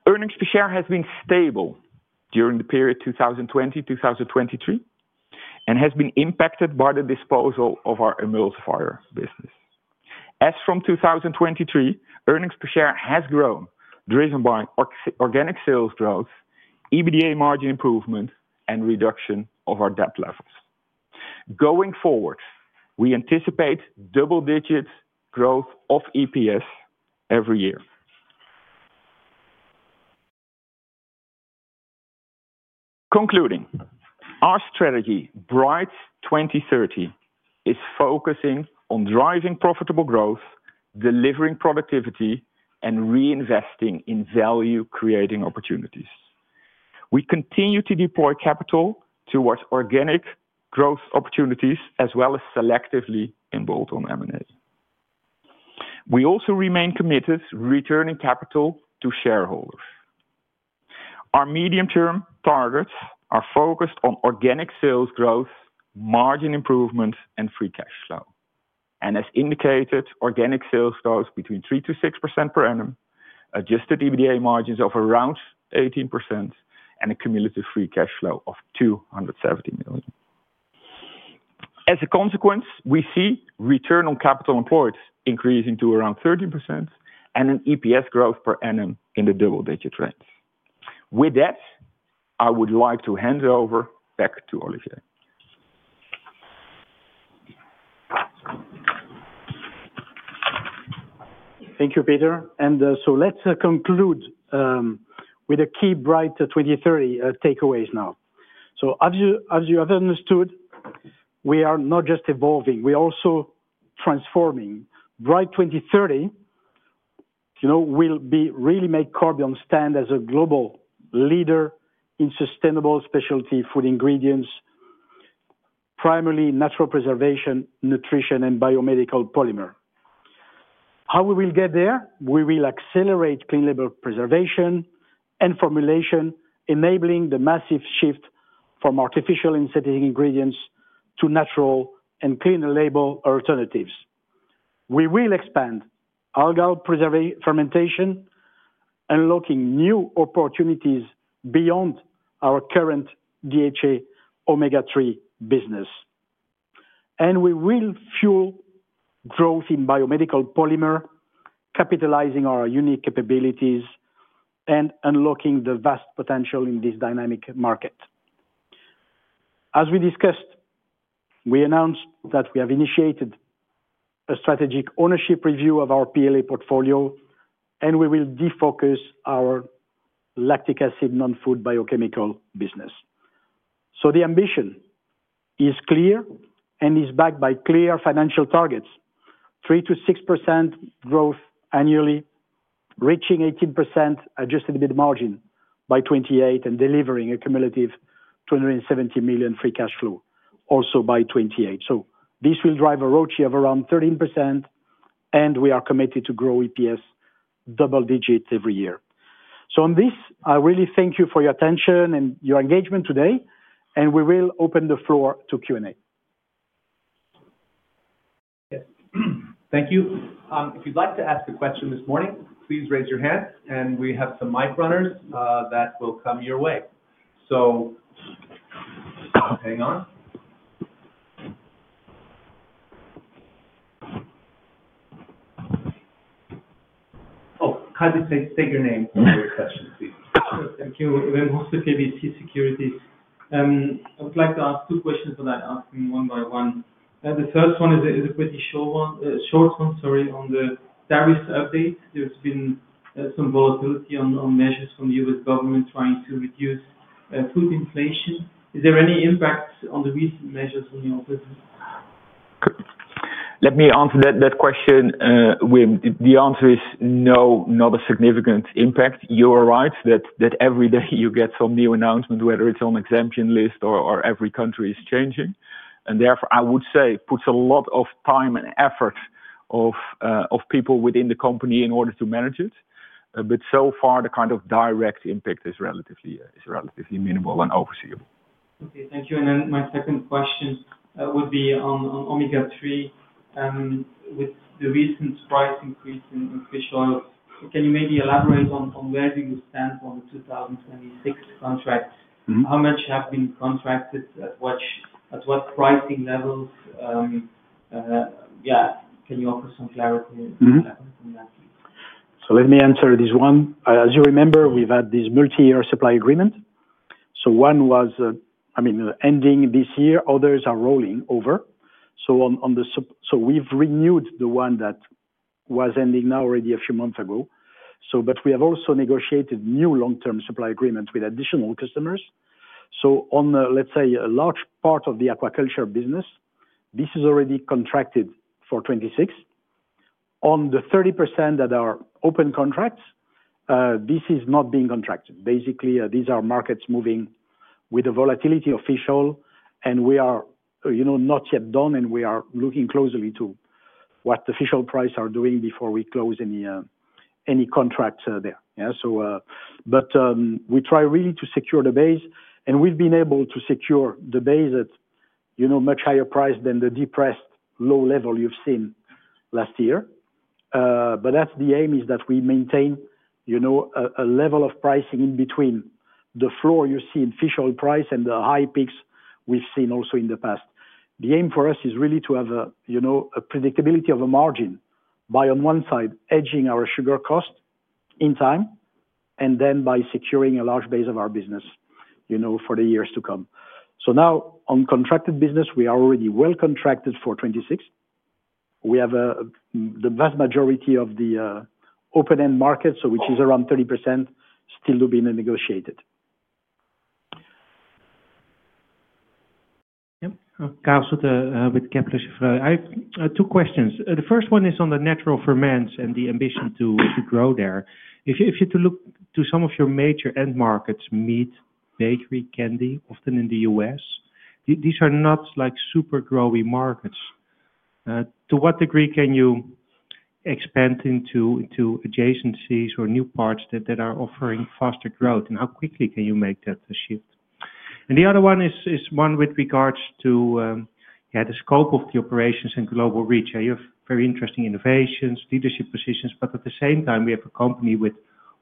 Earnings per share has been stable during the period 2020-2023 and has been impacted by the disposal of our emulsifier business. As from 2023, earnings per share has grown, driven by organic sales growth, EBITDA margin improvement, and reduction of our debt levels. Going forward, we anticipate double-digit growth of EPS every year. Concluding, our strategy, Bright 2030, is focusing on driving profitable growth, delivering productivity, and reinvesting in value-creating opportunities. We continue to deploy capital towards organic growth opportunities, as well as selectively in bolt-on laminate. We also remain committed to returning capital to shareholders. Our medium-term targets are focused on organic sales growth, margin improvement, and free cash flow. As indicated, organic sales grows between 3%-6% per annum, adjusted EBITDA margins of around 18%, and a cumulative free cash flow of 270 million. As a consequence, we see return on capital employed increasing to around 13% and an EPS growth per annum in the double-digit range. With that, I would like to hand over back to Olivier. Thank you, Peter. Let's conclude with the key Bright 2030 takeaways now. As you have understood, we are not just evolving, we are also transforming. Bright 2030 will really make Corbion stand as a global leader in sustainable specialty food ingredients, primarily natural preservation, nutrition, and biomedical polymer. How will we get there? We will accelerate clean label preservation and formulation, enabling the massive shift from artificial insetting ingredients to natural and clean label alternatives. We will expand algal fermentation, unlocking new opportunities beyond our current DHA Omega-3 business. We will fuel growth in biomedical polymer, capitalizing on our unique capabilities and unlocking the vast potential in this dynamic market. As we discussed, we announced that we have initiated a strategic ownership review of our PLA portfolio, and we will defocus our lactic acid non-food biochemical business. The ambition is clear and is backed by clear financial targets 3%-6% growth annually, reaching 18% adjusted EBITDA margin by 2028, and delivering a cumulative 270 million free cash flow also by 2028. This will drive a ROCE of around 13%, and we are committed to grow EPS double-digit every year. On this, I really thank you for your attention and your engagement today, and we will open the floor to Q&A. Yes. Thank you. If you'd like to ask a question this morning, please raise your hand, and we have some mic runners that will come your way. Hang on. Kindly state your name for your question, please. Thank you. I'm also KBC Securities. I would like to ask two questions that I'll ask them one by one. The first one is a pretty short one, sorry, on the tariffs update. There's been some volatility on measures from the U.S. government trying to reduce food inflation. Is there any impact on the recent measures on your business? Let me answer that question. The answer is no, not a significant impact. You are right that every day you get some new announcement, whether it's on exemption list or every country is changing. I would say it puts a lot of time and effort of people within the company in order to manage it. So far, the kind of direct impact is relatively minimal and overseeable. Okay. Thank you. And then my second question would be on Omega-3. With the recent price increase in fish oil, can you maybe elaborate on where do you stand on the 2026 contract? How much have been contracted? At what pricing levels? Yeah, can you offer some clarity on that, please? Let me answer this one. As you remember, we've had this multi-year supply agreement. One was, I mean, ending this year. Others are rolling over. We've renewed the one that was ending now already a few months ago. We have also negotiated new long-term supply agreements with additional customers. On, let's say, a large part of the aquaculture business, this is already contracted for 2026. On the 30% that are open contracts, this is not being contracted. Basically, these are markets moving with the volatility official, and we are not yet done, and we are looking closely to what the official prices are doing before we close any contract there. We try really to secure the base, and we have been able to secure the base at a much higher price than the depressed low level you have seen last year. That is the aim, that we maintain a level of pricing in between the floor you see in fish oil price and the high peaks we have seen also in the past. The aim for us is really to have a predictability of a margin by, on one side, hedging our sugar cost in time, and then by securing a large base of our business for the years to come. On contracted business, we are already well contracted for 2026. We have the vast majority of the open-end market, which is around 30%, still to be negotiated. Yep. Carl Sutter, with Kepler Sephra. Two questions. The first one is on the natural ferments and the ambition to grow there. If you look to some of your major end markets, meat, bakery, candy, often in the U.S., these are not super growing markets. To what degree can you expand into adjacencies or new parts that are offering faster growth, and how quickly can you make that shift? The other one is one with regards to the scope of the operations and global reach. You have very interesting innovations, leadership positions, but at the same time, we have a company with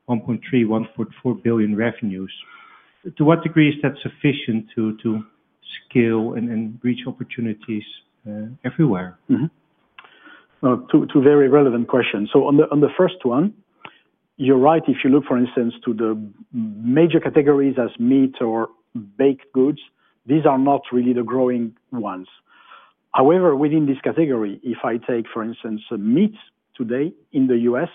1.3-1.4 billion revenues. To what degree is that sufficient to scale and reach opportunities everywhere? Two very relevant questions. On the first one, you're right. If you look, for instance, to the major categories as meat or baked goods, these are not really the growing ones. However, within this category, if I take, for instance, meat today in the U.S.,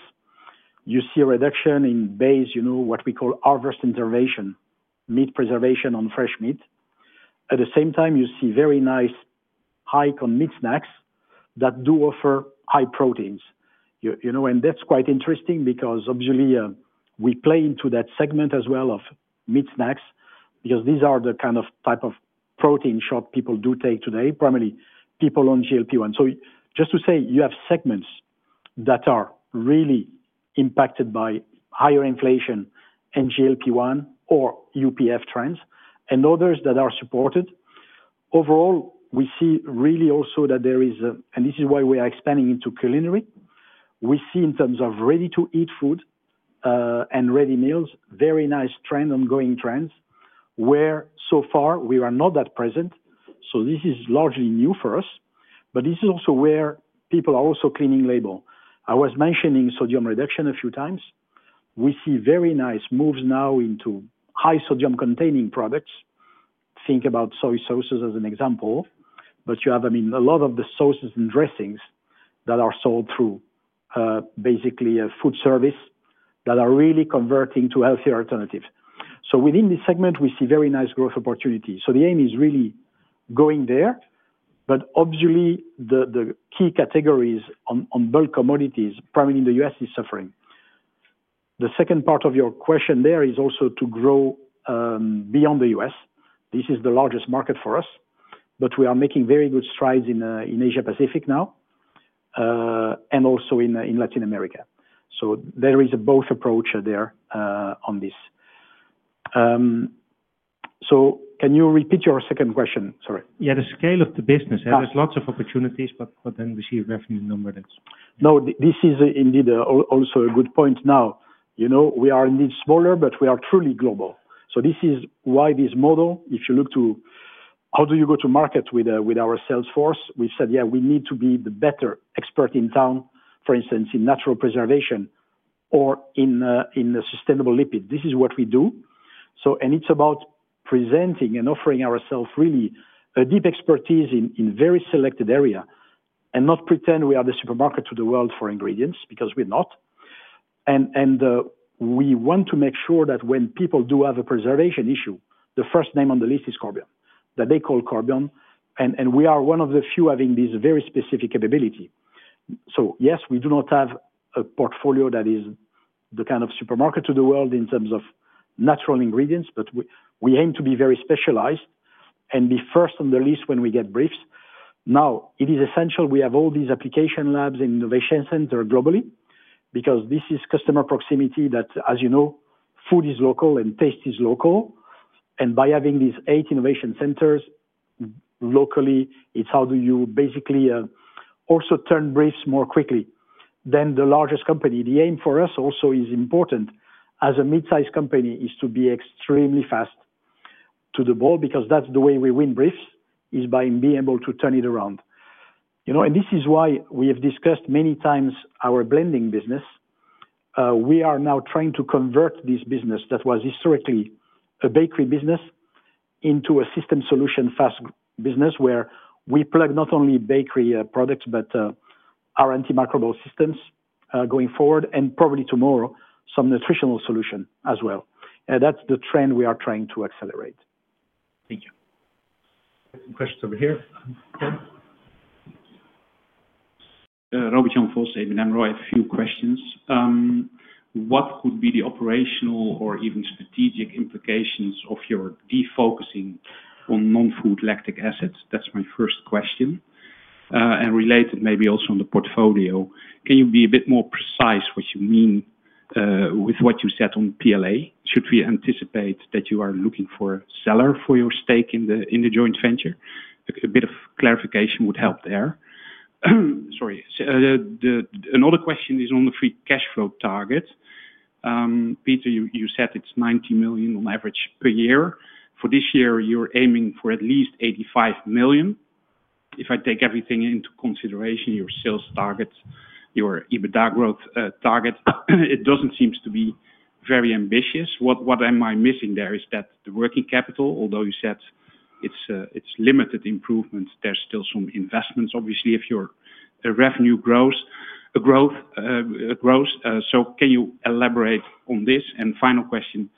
you see a reduction in base, what we call harvest intervention, meat preservation on fresh meat. At the same time, you see a very nice hike on meat snacks that do offer high proteins. That is quite interesting because, obviously, we play into that segment as well of meat snacks because these are the kind of type of protein shot people do take today, primarily people on GLP-1. Just to say, you have segments that are really impacted by higher inflation and GLP-1 or UPF trends and others that are supported. Overall, we see really also that there is, and this is why we are expanding into culinary. We see, in terms of ready-to-eat food and ready meals, very nice trend, ongoing trends where, so far, we are not that present. This is largely new for us. This is also where people are also cleaning label. I was mentioning sodium reduction a few times. We see very nice moves now into high-sodium-containing products. Think about soy sauces as an example. You have a lot of the sauces and dressings that are sold through basically a food service that are really converting to healthier alternatives. Within this segment, we see very nice growth opportunities. The aim is really going there. Obviously, the key categories on bulk commodities, primarily in the U.S., are suffering. The second part of your question there is also to grow beyond the U.S.. This is the largest market for us, but we are making very good strides in Asia-Pacific now and also in Latin America. There is a both approach there on this. Can you repeat your second question? Sorry. Yeah, the scale of the business. There are lots of opportunities, but then we see a revenue number that is. No, this is indeed also a good point. We are indeed smaller, but we are truly global. This is why this model, if you look to how do you go to market with our sales force, we've said, yeah, we need to be the better expert in town, for instance, in natural preservation or in sustainable lipids. This is what we do. It is about presenting and offering ourselves really a deep expertise in very selected area and not pretend we are the supermarket to the world for ingredients because we're not. We want to make sure that when people do have a preservation issue, the first name on the list is Corbion, that they call Corbion. We are one of the few having this very specific capability. Yes, we do not have a portfolio that is the kind of supermarket to the world in terms of natural ingredients, but we aim to be very specialized and be first on the list when we get briefs. Now, it is essential we have all these application labs and innovation centers globally because this is customer proximity that, as you know, food is local and taste is local. By having these eight innovation centers locally, it's how do you basically also turn briefs more quickly than the largest company. The aim for us also is important as a mid-size company is to be extremely fast to the ball because that's the way we win briefs, is by being able to turn it around. This is why we have discussed many times our blending business. We are now trying to convert this business that was historically a bakery business into a system solution fast business where we plug not only bakery products but our antimicrobial systems going forward and probably tomorrow some nutritional solution as well. That's the trend we are trying to accelerate. Thank you. Questions over here. Robert Jan Vos, ABN AMRO, a few questions. What could be the operational or even strategic implications of your defocusing on non-food lactic acids? That's my first question. Related maybe also on the portfolio, can you be a bit more precise what you mean with what you said on PLA? Should we anticipate that you are looking for a seller for your stake in the joint venture? A bit of clarification would help there. Sorry. Another question is on the free cash flow target. Peter, you said it is 90 million on average per year. For this year, you are aiming for at least 85 million. If I take everything into consideration, your sales target, your EBITDA growth target, it does not seem to be very ambitious. What am I missing there, is that the working capital, although you said it is limited improvement, there is still some investments, obviously, if your revenue grows. Can you elaborate on this? Final question,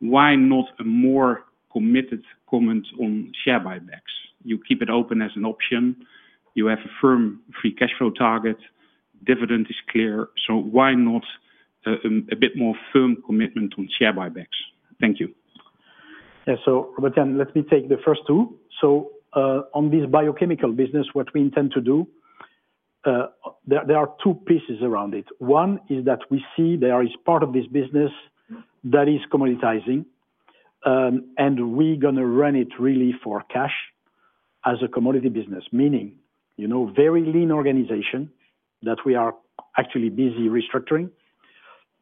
why not a more committed comment on share buybacks? You keep it open as an option. You have a firm free cash flow target. Dividend is clear. Why not a bit more firm commitment on share buybacks? Thank you. Yeah. Let me take the first two. On this biochemical business, what we intend to do, there are two pieces around it. One is that we see there is part of this business that is commoditizing, and we're going to run it really for cash as a commodity business, meaning very lean organization that we are actually busy restructuring,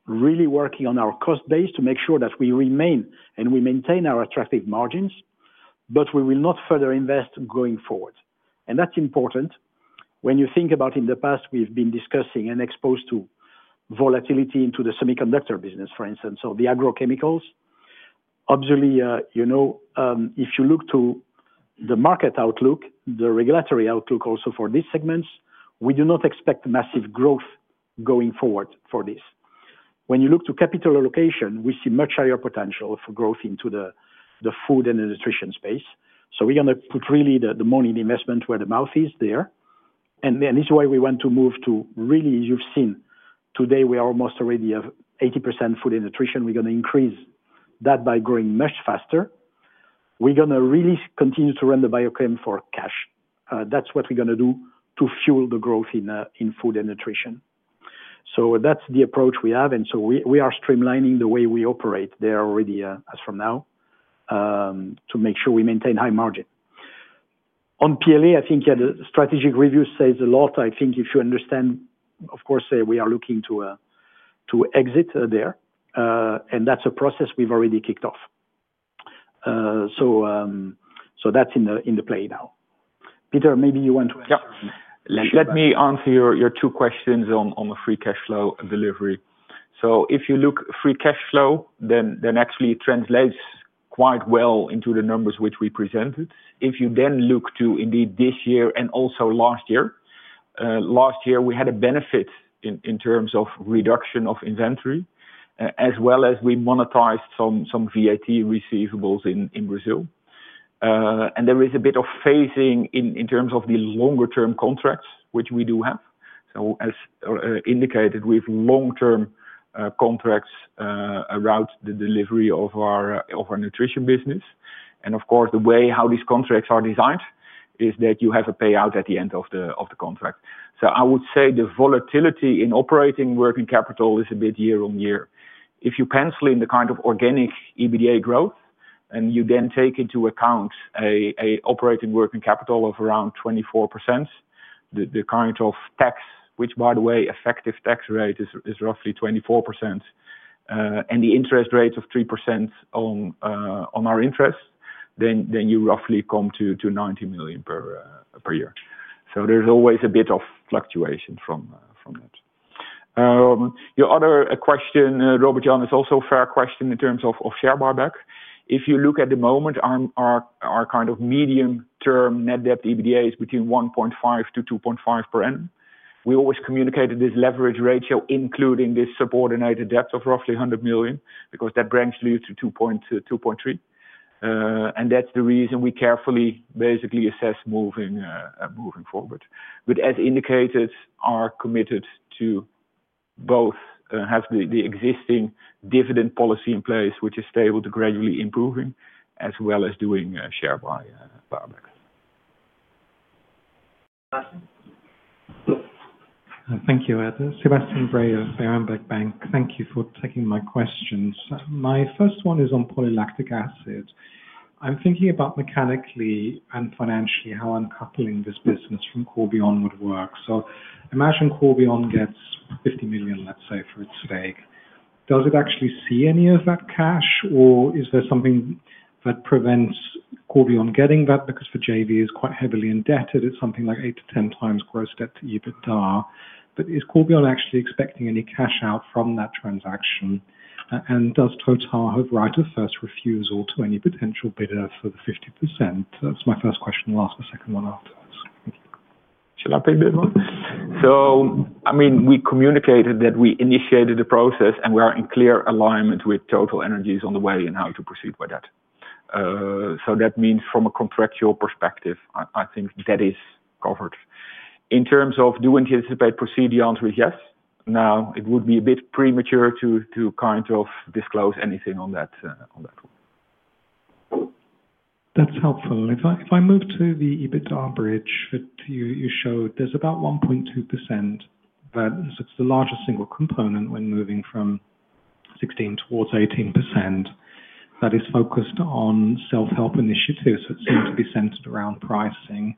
really working on our cost base to make sure that we remain and we maintain our attractive margins, but we will not further invest going forward. That's important. When you think about in the past, we've been discussing and exposed to volatility into the semiconductor business, for instance, or the agrochemicals. Obviously, if you look to the market outlook, the regulatory outlook also for these segments, we do not expect massive growth going forward for this. When you look to capital allocation, we see much higher potential for growth into the food and the nutrition space. We are going to put really the money and investment where the mouth is there. This is why we want to move to really, as you have seen, today, we are almost already at 80% food and nutrition. We are going to increase that by growing much faster. We are going to really continue to run the biochem for cash. That is what we are going to do to fuel the growth in food and nutrition. That is the approach we have. We are streamlining the way we operate there already as from now to make sure we maintain high margin. On PLA, I think the strategic review says a lot. I think if you understand, of course, we are looking to exit there. That is a process we have already kicked off. That is in the play now. Peter, maybe you want to answer. Let me answer your two questions on the free cash flow delivery. If you look, free cash flow then actually translates quite well into the numbers which we presented. If you look to indeed this year and also last year, last year, we had a benefit in terms of reduction of inventory, as well as we monetized some VAT receivables in Brazil. There is a bit of phasing in terms of the longer-term contracts, which we do have. As indicated, we have long-term contracts around the delivery of our nutrition business. Of course, the way how these contracts are designed is that you have a payout at the end of the contract. I would say the volatility in operating working capital is a bit year on year. If you pencil in the kind of organic EBITDA growth, and you then take into account an operating working capital of around 24%, the kind of tax, which, by the way, effective tax rate is roughly 24%, and the interest rate of 3% on our interest, you roughly come to 90 million per year. There is always a bit of fluctuation from that. Your other question, Robert Jan, is also a fair question in terms of share buyback. If you look at the moment, our kind of medium-term net debt EBITDA is between 1.5-2.5 per annum. We always communicated this leverage ratio, including this subordinated debt of roughly 100 million because that branch leads to 2.3. That is the reason we carefully basically assess moving forward. As indicated, we are committed to both have the existing dividend policy in place, which is stable to gradually improving, as well as doing share buybacks. Sebastian? Thank you. Sebastian Bray of Berenberg Bank. Thank you for taking my questions. My first one is on polylactic acid. I am thinking about mechanically and financially how uncoupling this business from Corbion would work. Imagine Corbion gets 50 million, let's say, for its stake. Does it actually see any of that cash, or is there something that prevents Corbion getting that? For the JV, it is quite heavily indebted. It is something like 8x-10x gross debt to EBITDA. Is Corbion actually expecting any cash out from that transaction? Does TotalEnergies have right of first refusal to any potential bidder for the 50%? That's my first question. I'll ask the second one afterwards. Thank you. Shall I pick this one? I mean, we communicated that we initiated the process, and we are in clear alignment with TotalEnergies on the way and how to proceed with that. That means from a contractual perspective, I think that is covered. In terms of do we anticipate proceed? The answer is yes. It would be a bit premature to kind of disclose anything on that. That's helpful. If I move to the EBITDA bridge that you showed, there's about 1.2% that is the largest single component when moving from 16% towards 18% that is focused on self-help initiatives that seem to be centered around pricing.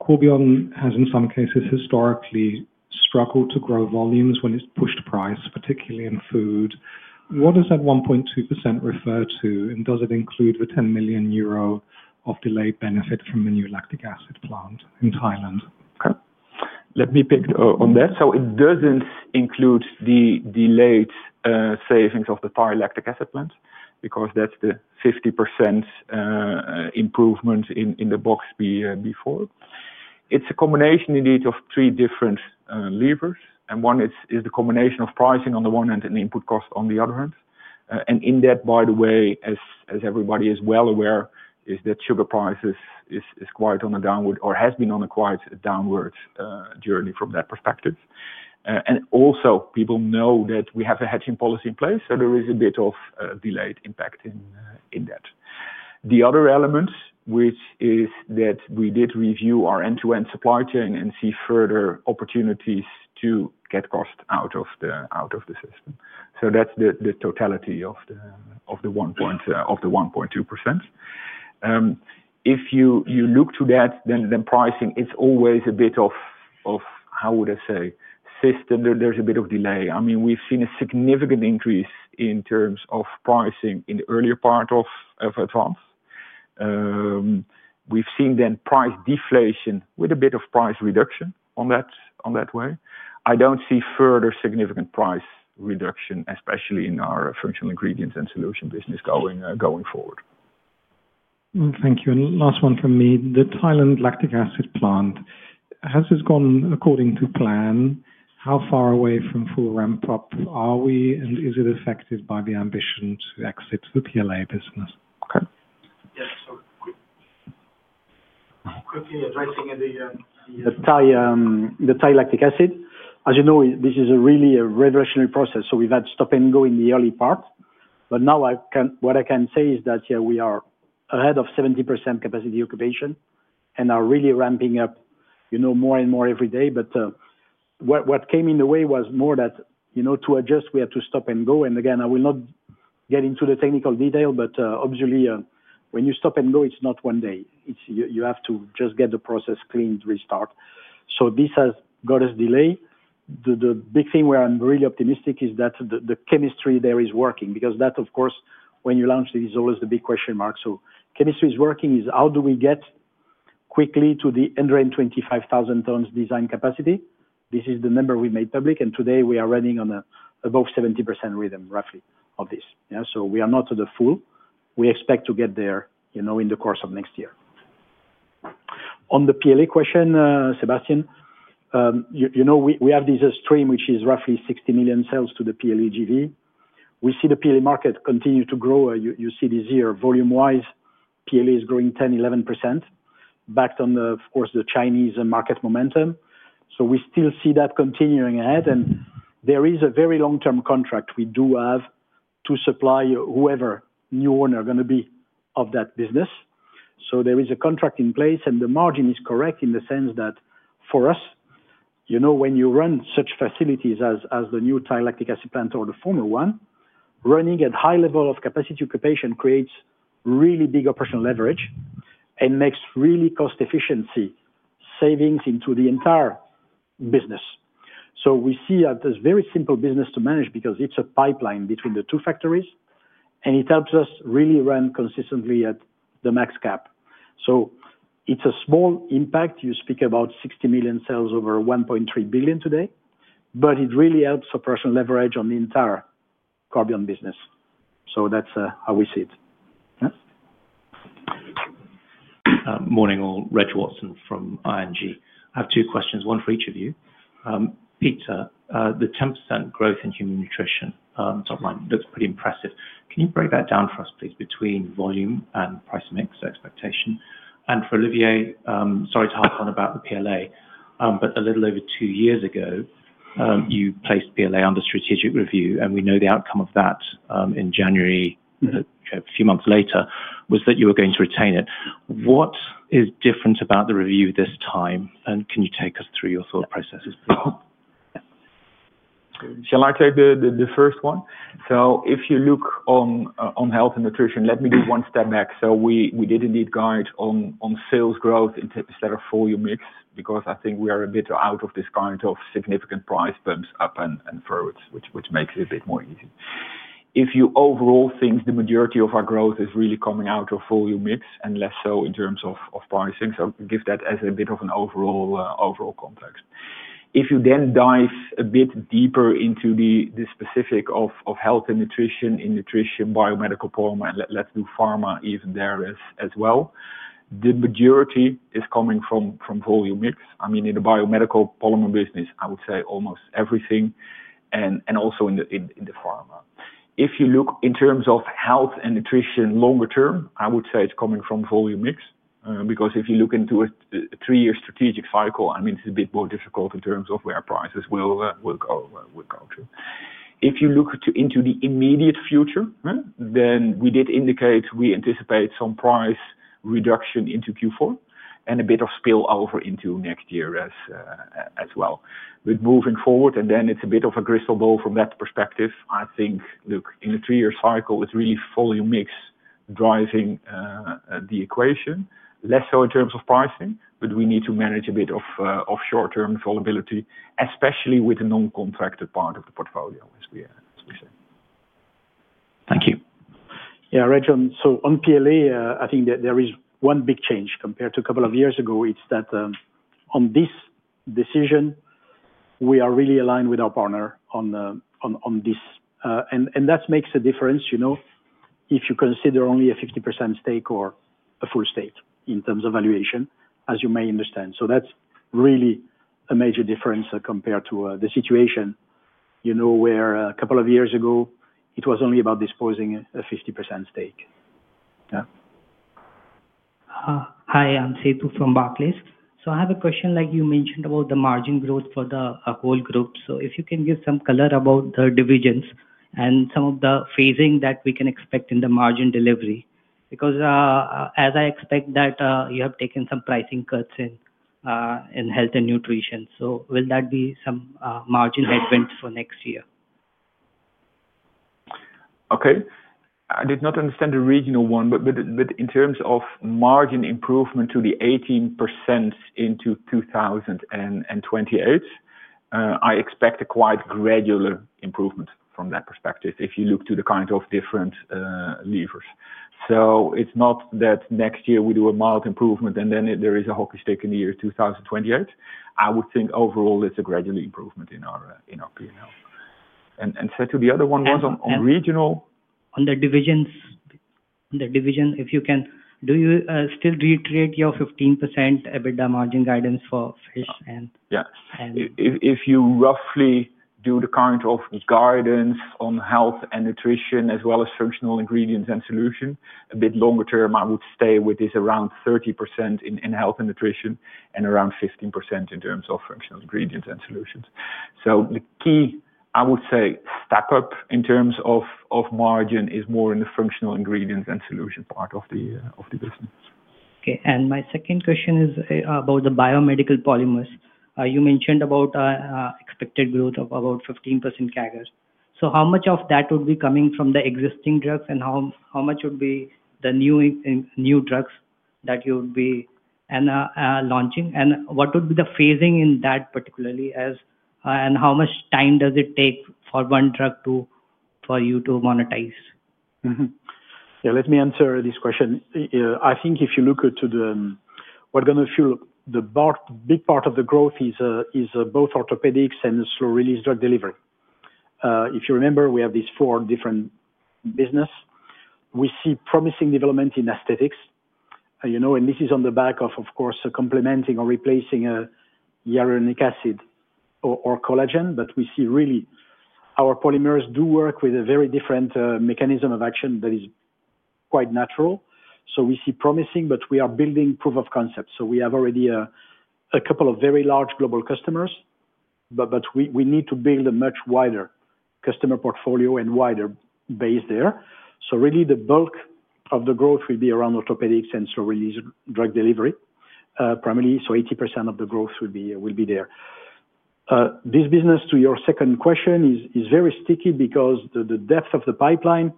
Corbion has, in some cases, historically struggled to grow volumes when it's pushed price, particularly in food. What does that 1.2% refer to? And does it include the 10 million euro of delayed benefit from a new lactic acid plant in Thailand? Okay. Let me pick on that. It doesn't include the delayed savings of the Thai lactic acid plant because that's the 50% improvement in the box before. It's a combination, indeed, of three different levers. One is the combination of pricing on the one end and input cost on the other end. In that, by the way, as everybody is well aware, sugar prices is quite on a downward or has been on a quite downward journey from that perspective. Also, people know that we have a hedging policy in place, so there is a bit of delayed impact in that. The other element, which is that we did review our end-to-end supply chain and see further opportunities to get cost out of the system. That is the totality of the 1.2%. If you look to that, then pricing, it is always a bit of, how would I say, system. There is a bit of delay. I mean, we have seen a significant increase in terms of pricing in the earlier part of advance. We have seen then price deflation with a bit of price reduction on that way. I do not see further significant price reduction, especially in our functional ingredients and solution business going forward. Thank you. Last one from me. The Thai lactic acid plant, has this gone according to plan? How far away from full ramp-up are we, and is it affected by the ambition to exit the PLA business? Okay. Yeah. Quickly addressing the Thai lactic acid. As you know, this is really a revolutionary process. We have had stop and go in the early part. What I can say is that, yeah, we are ahead of 70% capacity occupation and are really ramping up more and more every day. What came in the way was more that to adjust, we had to stop and go. Again, I will not get into the technical detail, but obviously, when you stop and go, it is not one day. You have to just get the process cleaned, restart. This has got us delayed. The big thing where I am really optimistic is that the chemistry there is working because that, of course, when you launch it, is always the big question mark. Chemistry is working. It is how do we get quickly to the 125,000 tons design capacity? This is the number we made public. Today, we are running on above 70% rhythm, roughly, of this. We are not to the full. We expect to get there in the course of next year. On the PLA question, Sebastian, we have this stream, which is roughly 60 million sales to the PLA GV. We see the PLA market continue to grow. You see this year volume-wise, PLA is growing 10%-11%, backed on, of course, the Chinese market momentum. We still see that continuing ahead. There is a very long-term contract. We do have to supply whoever new owner is going to be of that business. There is a contract in place, and the margin is correct in the sense that for us, when you run such facilities as the new Thai lactic acid plant or the former one, running at high level of capacity occupation creates really big operational leverage and makes really cost-efficient savings into the entire business. We see that it is a very simple business to manage because it is a pipeline between the two factories, and it helps us really run consistently at the max cap. It is a small impact. You speak about 60 million sales over 1.3 billion today, but it really helps operational leverage on the entire Corbion business. That is how we see it. Morning all. Reg Watson from ING. I have two questions, one for each of you. Peter, the 10% growth in human nutrition top line looks pretty impressive. Can you break that down for us, please, between volume and price mix expectation? And for Olivier, sorry to harp on about the PLA, but a little over two years ago, you placed PLA under strategic review, and we know the outcome of that in January, a few months later, was that you were going to retain it. What is different about the review this time, and can you take us through your thought processes, please? Shall I take the first one? If you look on health and nutrition, let me do one step back. We did indeed guide on sales growth instead of full-year mix because I think we are a bit out of this kind of significant price bumps up and forwards, which makes it a bit more easy. If you overall think the majority of our growth is really coming out of full-year mix and less so in terms of pricing, so give that as a bit of an overall context. If you then dive a bit deeper into the specific of health and nutrition in nutrition, biomedical, polymer, and let's do pharma even there as well, the majority is coming from volume mix. I mean, in the biomedical polymer business, I would say almost everything, and also in the pharma. If you look in terms of health and nutrition longer term, I would say it's coming from volume mix because if you look into a three-year strategic cycle, I mean, it's a bit more difficult in terms of where prices will go to. If you look into the immediate future, we did indicate we anticipate some price reduction into Q4 and a bit of spillover into next year as well. Moving forward, it is a bit of a crystal ball from that perspective. I think, look, in a three-year cycle, it is really volume mix driving the equation, less so in terms of pricing, but we need to manage a bit of short-term volatility, especially with the non-contracted part of the portfolio, as we say. Thank you. Yeah, Regan, on PLA, I think there is one big change compared to a couple of years ago. It is that on this decision, we are really aligned with our partner on this. That makes a difference if you consider only a 50% stake or a full stake in terms of valuation, as you may understand. That's really a major difference compared to the situation where a couple of years ago, it was only about disposing a 50% stake. Yeah. Hi, I'm Seto from Barclays. I have a question, like you mentioned, about the margin growth for the whole group. If you can give some color about the divisions and some of the phasing that we can expect in the margin delivery, because as I expect that you have taken some pricing cuts in health and nutrition. Will that be some margin headwinds for next year? I did not understand the regional one, but in terms of margin improvement to the 18% into 2028, I expect a quite gradual improvement from that perspective if you look to the kind of different levers. It is not that next year we do a mild improvement, and then there is a hockey stick in the year 2028. I would think overall, it is a gradual improvement in our P&L. You said the other one was on regional. On the divisions, if you can, do you still reiterate your 15% EBITDA margin guidance for fish and? Yeah. If you roughly do the kind of guidance on health and nutrition as well as functional ingredients and solution, a bit longer term, I would stay with this around 30% in health and nutrition and around 15% in terms of functional ingredients and solutions. The key, I would say, stack-up in terms of margin is more in the functional ingredients and solution part of the business. Okay. My second question is about the biomedical polymers. You mentioned about expected growth of about 15% CAGR. How much of that would be coming from the existing drugs, and how much would be the new drugs that you would be launching? What would be the phasing in that particularly, and how much time does it take for one drug for you to monetize? Yeah, let me answer this question. I think if you look at what's going to fuel the big part of the growth, it is both orthopedics and slow-release drug delivery. If you remember, we have these four different businesses. We see promising development in aesthetics. This is on the back of, of course, complementing or replacing a hyaluronic acid or collagen. We see really our polymers do work with a very different mechanism of action that is quite natural. We see promising, but we are building proof of concept. We have already a couple of very large global customers, but we need to build a much wider customer portfolio and wider base there. Really, the bulk of the growth will be around orthopedics and slow-release drug delivery, primarily. 80% of the growth will be there. This business, to your second question, is very sticky because the depth of the pipeline,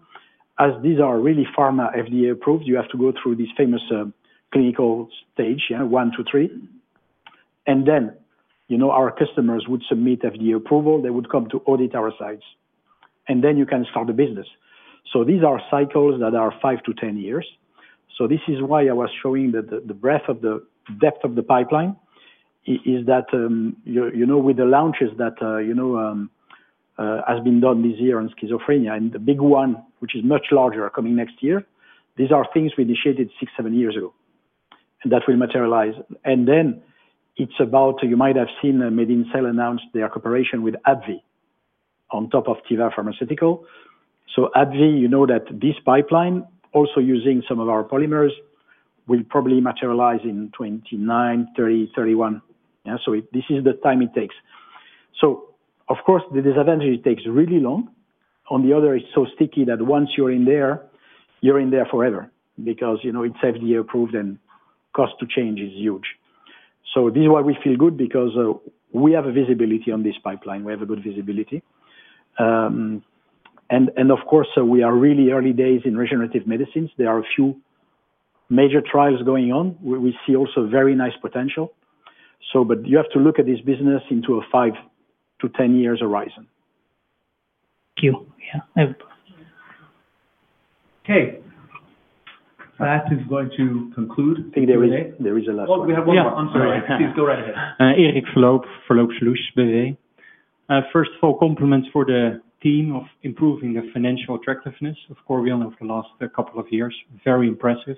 as these are really pharma FDA-approved, you have to go through this famous clinical stage, one, two, three. Our customers would submit FDA approval. They would come to audit our sites. Then you can start the business. These are cycles that are 5-10 years. This is why I was showing that the breadth of the depth of the pipeline is that with the launches that have been done this year on schizophrenia, and the big one, which is much larger, coming next year, these are things we initiated six, seven years ago, and that will materialize. You might have seen MedinCell announce their cooperation with AbbVie on top of Teva Pharmaceuticals. AbbVie, you know that this pipeline, also using some of our polymers, will probably materialize in 2029, 2030, 2031. This is the time it takes. Of course, the disadvantage is it takes really long. On the other, it's so sticky that once you're in there, you're in there forever because it's FDA-approved, and cost to change is huge. This is why we feel good because we have a visibility on this pipeline. We have good visibility. Of course, we are really early days in regenerative medicines. There are a few major trials going on. We see also very nice potential. You have to look at this business into a 5-10 years horizon. Thank you. Yeah. Okay. That is going to conclude. I think there is a last question. We have one more. I'm sorry. Please go right ahead. Erik Verloop, Verloop Solutions B.V. First of all, compliments for the team on improving the financial attractiveness of Corbion over the last couple of years. Very impressive.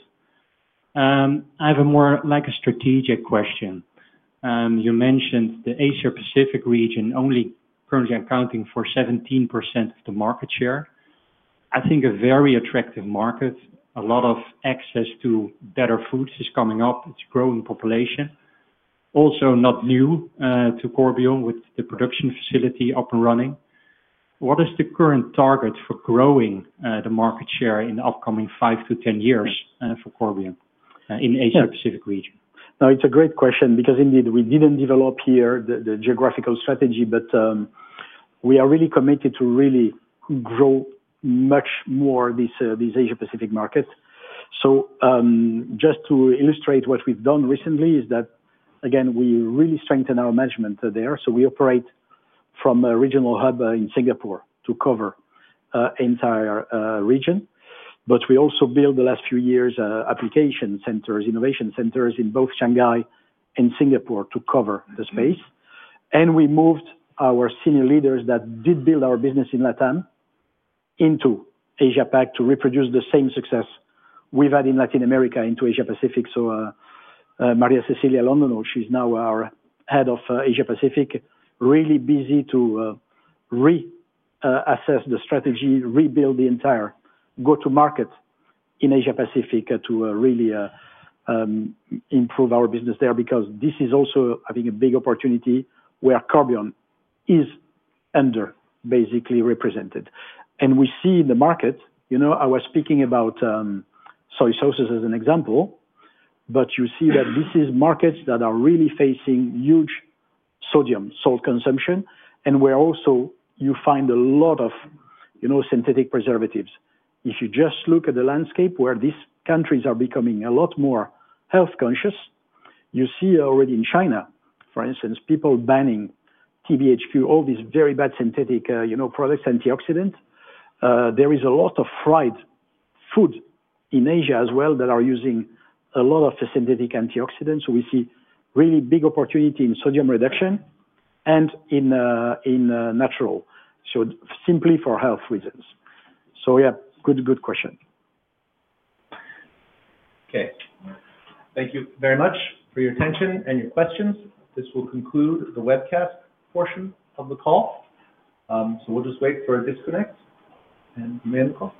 I have a more strategic question. You mentioned the Asia-Pacific region only currently accounting for 17% of the market share. I think a very attractive market. A lot of access to better foods is coming up. It's a growing population. Also not new to Corbion with the production facility up and running. What is the current target for growing the market share in the upcoming 5 to 10 years for Corbion in the Asia-Pacific region? Now, it's a great question because indeed we didn't develop here the geographical strategy, but we are really committed to really grow much more this Asia-Pacific market. Just to illustrate what we've done recently is that, again, we really strengthen our management there. We operate from a regional hub in Singapore to cover the entire region. We also built the last few years application centers, innovation centers in both Shanghai and Singapore to cover the space. We moved our senior leaders that did build our business in LATAM into Asia-Pac to reproduce the same success we've had in Latin America into Asia-Pacific. Maria Cecilia London, she's now our Head of Asia-Pacific, really busy to reassess the strategy, rebuild the entire go-to-market in Asia-Pacific to really improve our business there because this is also having a big opportunity where Corbion is under basically represented. We see the market. I was speaking about soy sauces as an example, but you see that these are markets that are really facing huge sodium salt consumption. Where also you find a lot of synthetic preservatives. If you just look at the landscape where these countries are becoming a lot more health conscious, you see already in China, for instance, people banning TBHQ, all these very bad synthetic products, antioxidants. There is a lot of fried food in Asia as well that are using a lot of synthetic antioxidants. We see really big opportunity in sodium reduction and in natural, simply for health reasons. Yeah, good question. Thank you very much for your attention and your questions. This will conclude the webcast portion of the call. We'll just wait for a disconnect, and you may end the call.